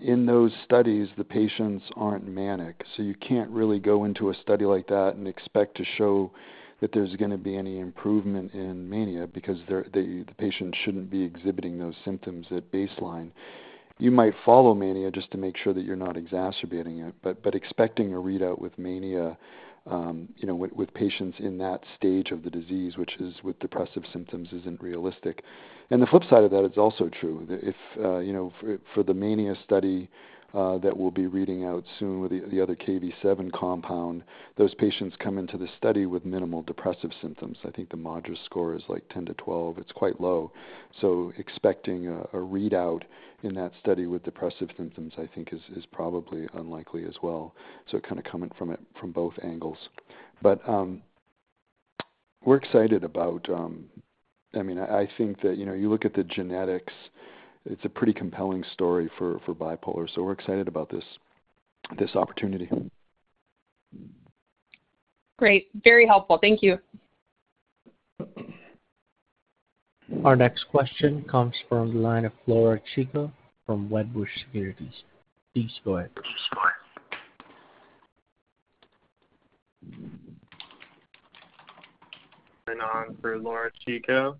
in those studies, the patients aren't manic. So you can't really go into a study like that and expect to show that there's going to be any improvement in mania because the patient shouldn't be exhibiting those symptoms at baseline. You might follow mania just to make sure that you're not exacerbating it. But expecting a readout with mania with patients in that stage of the disease, which is with depressive symptoms, isn't realistic. And the flip side of that is also true. For the mania study that we'll be reading out soon with the other Kv7 compound, those patients come into the study with minimal depressive symptoms. I think the moderate score is like 10 to 12. It's quite low. So expecting a readout in that study with depressive symptoms, I think, is probably unlikely as well. So kind of coming from both angles. But we're excited about, I mean, I think that you look at the genetics, it's a pretty compelling story for bipolar. So we're excited about this opportunity. Great. Very helpful. Thank you. Our next question comes from the line of Laura Chico from Wedbush Securities. Please go ahead. Please go ahead. Next question for Laura Chico.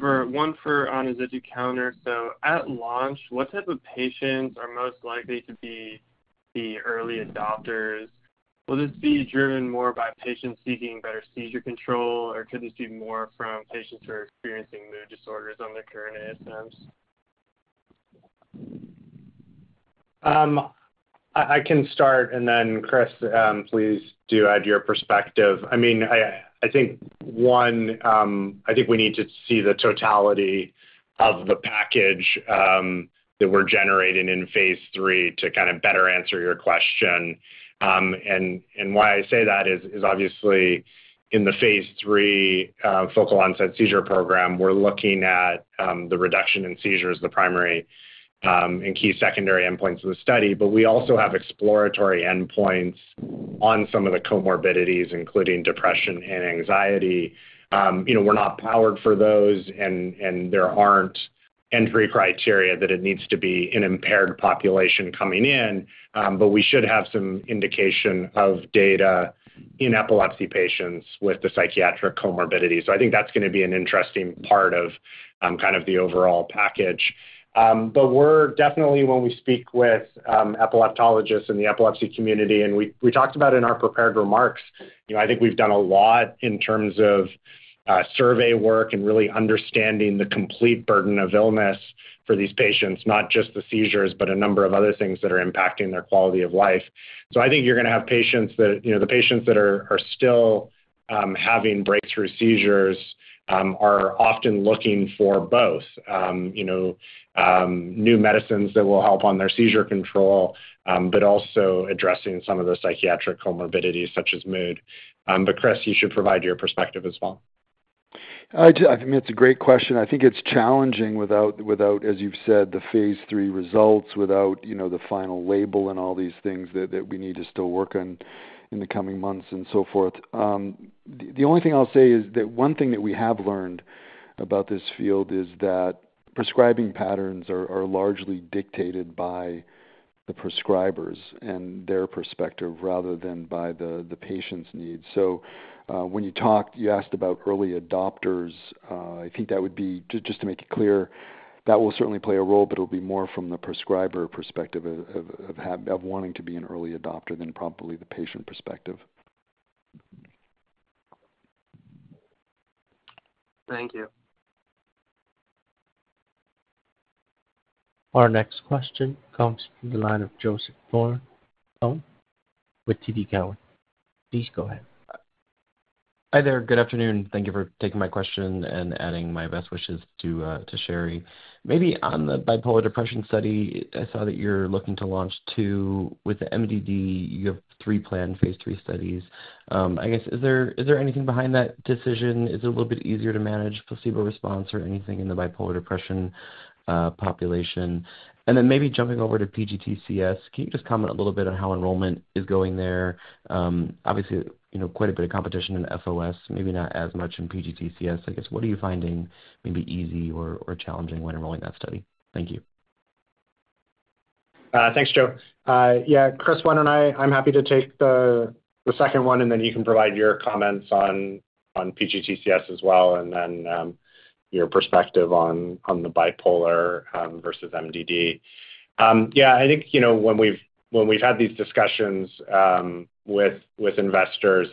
So, a question on azetukalner. So at launch, what type of patients are most likely to be the early adopters? Will this be driven more by patients seeking better seizure control, or could this be more from patients who are experiencing mood disorders on their current ASMs? I can start, and then, Chris, please do add your perspective. I mean, I think one, I think we need to see the totality of the package that we're generating in Phase III to kind of better answer your question, and why I say that is obviously in the Phase III focal-onset seizure program, we're looking at the reduction in seizures, the primary and key secondary endpoints of the study, but we also have exploratory endpoints on some of the comorbidities, including depression and anxiety. We're not powered for those, and there aren't entry criteria that it needs to be an impaired population coming in, but we should have some indication of data in epilepsy patients with the psychiatric comorbidities. So I think that's going to be an interesting part of kind of the overall package. But definitely, when we speak with epileptologists in the epilepsy community, and we talked about in our prepared remarks, I think we've done a lot in terms of survey work and really understanding the complete burden of illness for these patients, not just the seizures, but a number of other things that are impacting their quality of life. So I think you're going to have patients that are still having breakthrough seizures are often looking for both new medicines that will help on their seizure control, but also addressing some of the psychiatric comorbidities such as mood. But Chris, you should provide your perspective as well. I mean, it's a great question. I think it's challenging without, as you've said, the Phase III results, without the final label and all these things that we need to still work on in the coming months and so forth. The only thing I'll say is that one thing that we have learned about this field is that prescribing patterns are largely dictated by the prescribers and their perspective rather than by the patient's needs. So when you asked about early adopters, I think that would be just to make it clear, that will certainly play a role, but it'll be more from the prescriber perspective of wanting to be an early adopter than probably the patient perspective. Thank you. Our next question comes from the line of Joseph Thome with TD Cowen. Please go ahead. Hi there. Good afternoon. Thank you for taking my question and adding my best wishes to Sherry. Maybe on the bipolar depression study, I saw that you're looking to launch two with the MDD. You have three planned Phase III studies. I guess, is there anything behind that decision? Is it a little bit easier to manage placebo response or anything in the bipolar depression population? And then maybe jumping over to PGTCS, can you just comment a little bit on how enrollment is going there? Obviously, quite a bit of competition in FOS, maybe not as much in PGTCS. I guess, what are you finding maybe easy or challenging when enrolling that study? Thank you. Thanks, Joe. Yeah. Chris, why don't I. I'm happy to take the second one, and then you can provide your comments on PGTCS as well, and then your perspective on the bipolar versus MDD. Yeah. I think when we've had these discussions with investors,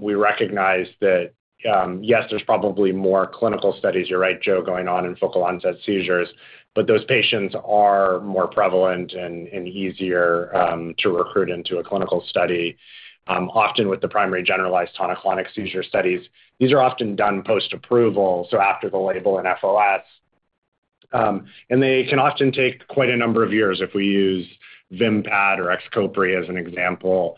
we recognize that, yes, there's probably more clinical studies. You're right, Joe. Going on in focal-onset seizures, but those patients are more prevalent and easier to recruit into a clinical study, often with the primary generalized tonic-clonic seizure studies. These are often done post-approval, so after the label and FOS, and they can often take quite a number of years if we use Vimpat or Xcopri as an example.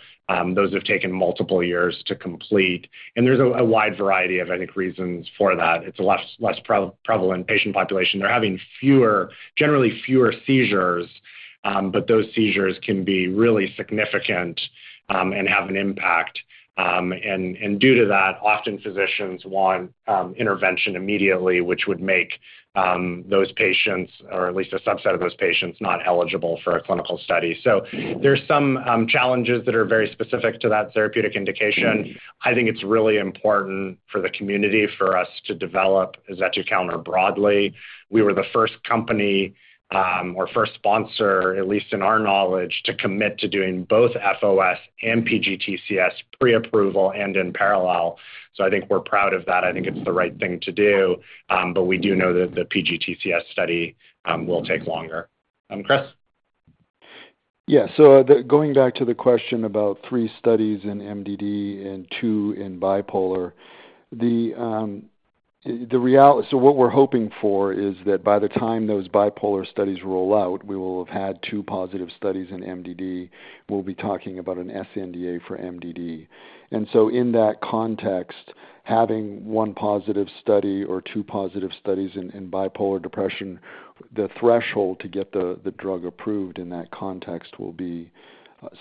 Those have taken multiple years to complete, and there's a wide variety of, I think, reasons for that. It's a less prevalent patient population. They're having generally fewer seizures, but those seizures can be really significant and have an impact. And due to that, often physicians want intervention immediately, which would make those patients, or at least a subset of those patients, not eligible for a clinical study. So there's some challenges that are very specific to that therapeutic indication. I think it's really important for the community for us to develop azetukalner broadly. We were the first company or first sponsor, at least in our knowledge, to commit to doing both FOS and PGTCS pre-approval and in parallel. So I think we're proud of that. I think it's the right thing to do. But we do know that the PGTCS study will take longer. Chris? Yeah. So going back to the question about three studies in MDD and two in bipolar, so what we're hoping for is that by the time those bipolar studies roll out, we will have had two positive studies in MDD. We'll be talking about an sNDA for MDD. And so in that context, having one positive study or two positive studies in bipolar depression, the threshold to get the drug approved in that context will be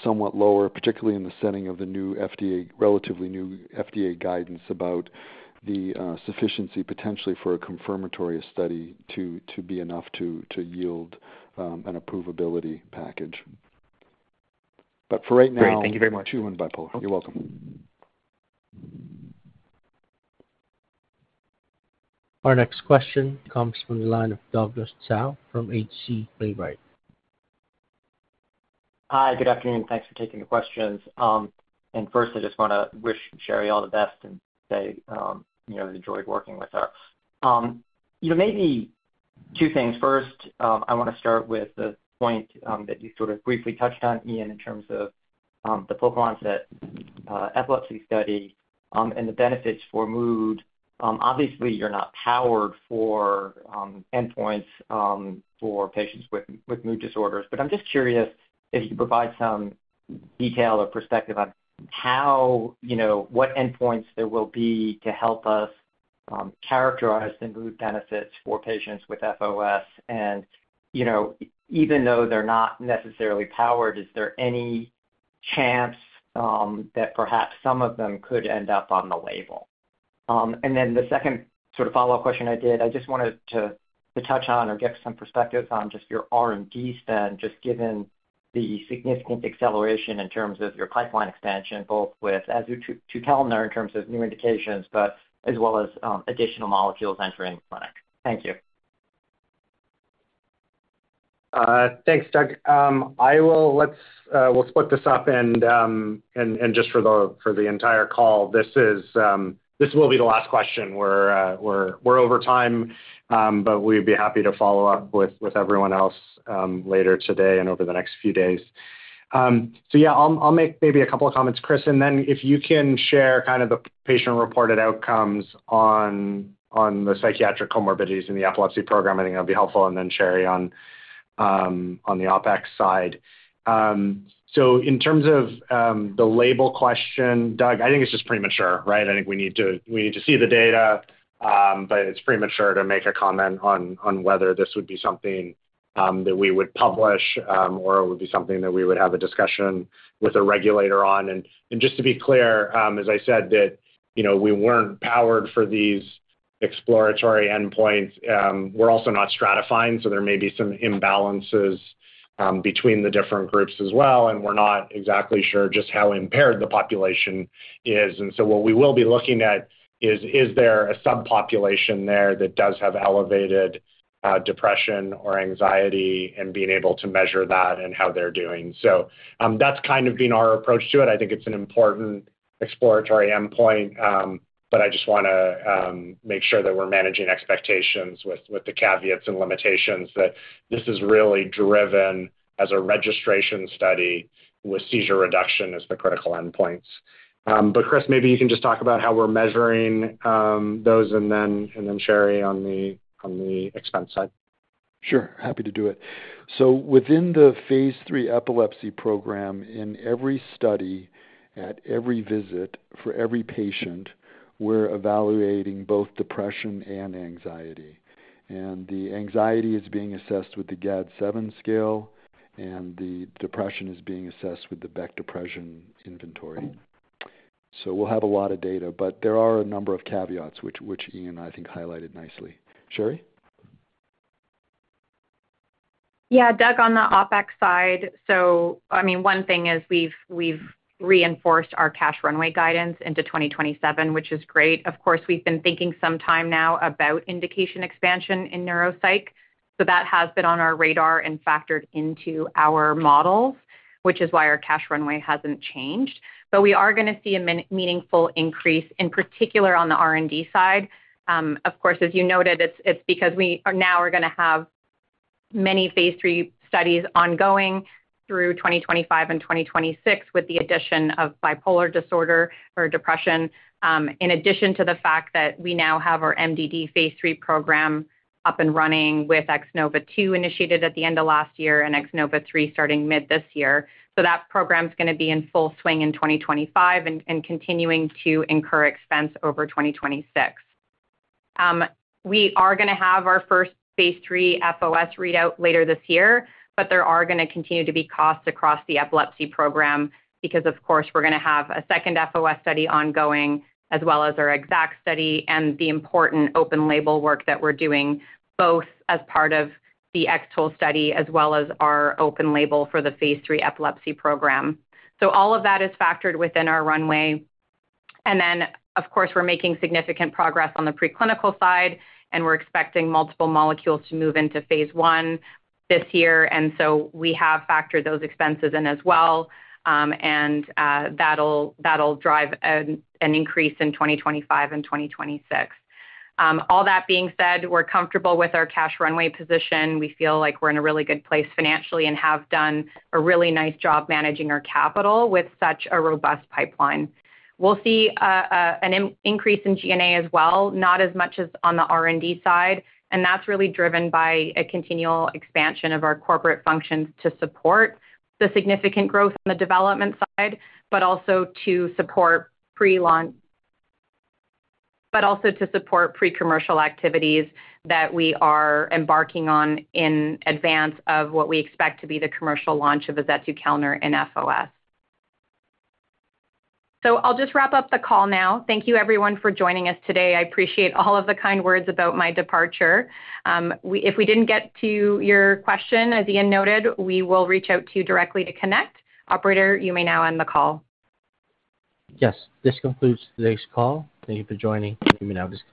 somewhat lower, particularly in the setting of the relatively new FDA guidance about the sufficiency potentially for a confirmatory study to be enough to yield an approvability package. But for right now. Great. Thank you very much. Two in bipolar. You're welcome. Our next question comes from the line of Douglas Tsao from H.C. Wainwright. Hi. Good afternoon. Thanks for taking the questions. And first, I just want to wish Sherry all the best and say I enjoyed working with her. Maybe two things. First, I want to start with the point that you sort of briefly touched on, Ian, in terms of the focal-onset epilepsy study and the benefits for mood. Obviously, you're not powered for endpoints for patients with mood disorders. But I'm just curious if you could provide some detail or perspective on what endpoints there will be to help us characterize the mood benefits for patients with FOS. And even though they're not necessarily powered, is there any chance that perhaps some of them could end up on the label? And then the second sort of follow-up question I did. I just wanted to touch on or get some perspectives on just your R&D spend, just given the significant acceleration in terms of your pipeline expansion, both with azetukalner in terms of new indications, but as well as additional molecules entering the clinic. Thank you. Thanks, Doug. We'll split this up and just for the entire call, this will be the last question. We're over time, but we'd be happy to follow up with everyone else later today and over the next few days, so yeah, I'll make maybe a couple of comments, Chris, and then if you can share kind of the patient-reported outcomes on the psychiatric comorbidities in the epilepsy program, I think that'll be helpful, and then Sherry on the OpEx side. So in terms of the label question, Doug, I think it's just premature, right? I think we need to see the data, but it's premature to make a comment on whether this would be something that we would publish or it would be something that we would have a discussion with a regulator on, and just to be clear, as I said, that we weren't powered for these exploratory endpoints. We're also not stratifying, so there may be some imbalances between the different groups as well, and we're not exactly sure just how impaired the population is. And so what we will be looking at is there a subpopulation there that does have elevated depression or anxiety and being able to measure that and how they're doing? That's kind of been our approach to it. I think it's an important exploratory endpoint, but I just want to make sure that we're managing expectations with the caveats and limitations that this is really driven as a registration study with seizure reduction as the critical endpoints, but Chris, maybe you can just talk about how we're measuring those, and then Sherry on the expense side. Sure. Happy to do it. So within the Phase III epilepsy program, in every study, at every visit, for every patient, we're evaluating both depression and anxiety. And the anxiety is being assessed with the GAD-7 scale, and the depression is being assessed with the Beck Depression Inventory. So we'll have a lot of data, but there are a number of caveats, which Ian and I think highlighted nicely. Sherry? Yeah. Doug, on the OpEx side, so I mean, one thing is we've reinforced our cash runway guidance into 2027, which is great. Of course, we've been thinking some time now about indication expansion in neuropsych. So that has been on our radar and factored into our models, which is why our cash runway hasn't changed. But we are going to see a meaningful increase, in particular on the R&D side. Of course, as you noted, it's because we now are going to have many Phase III studies ongoing through 2025 and 2026 with the addition of bipolar disorder or depression, in addition to the fact that we now have our MDD Phase III program up and running with X-NOVA II initiated at the end of last year and X-NOVA III starting mid this year. So that program's going to be in full swing in 2025 and continuing to incur expense over 2026. We are going to have our first Phase III FOS readout later this year, but there are going to continue to be costs across the epilepsy program because, of course, we're going to have a second FOS study ongoing as well as our X-ACKT study and the important open label work that we're doing both as part of the X-TOLE study as well as our open label for the Phase III epilepsy program. So all of that is factored within our runway, and then, of course, we're making significant progress on the preclinical side, and we're expecting multiple molecules to move into Phase I this year. And so we have factored those expenses in as well, and that'll drive an increase in 2025 and 2026. All that being said, we're comfortable with our cash runway position. We feel like we're in a really good place financially and have done a really nice job managing our capital with such a robust pipeline. We'll see an increase in G&A as well, not as much as on the R&D side. That's really driven by a continual expansion of our corporate functions to support the significant growth on the development side, but also to support pre-launch and pre-commercial activities that we are embarking on in advance of what we expect to be the commercial launch of azetukalner in FOS. So I'll just wrap up the call now. Thank you, everyone, for joining us today. I appreciate all of the kind words about my departure. If we didn't get to your question, as Ian noted, we will reach out to you directly to connect. Operator, you may now end the call. Yes. This concludes today's call. Thank you for joining. You may now disconnect.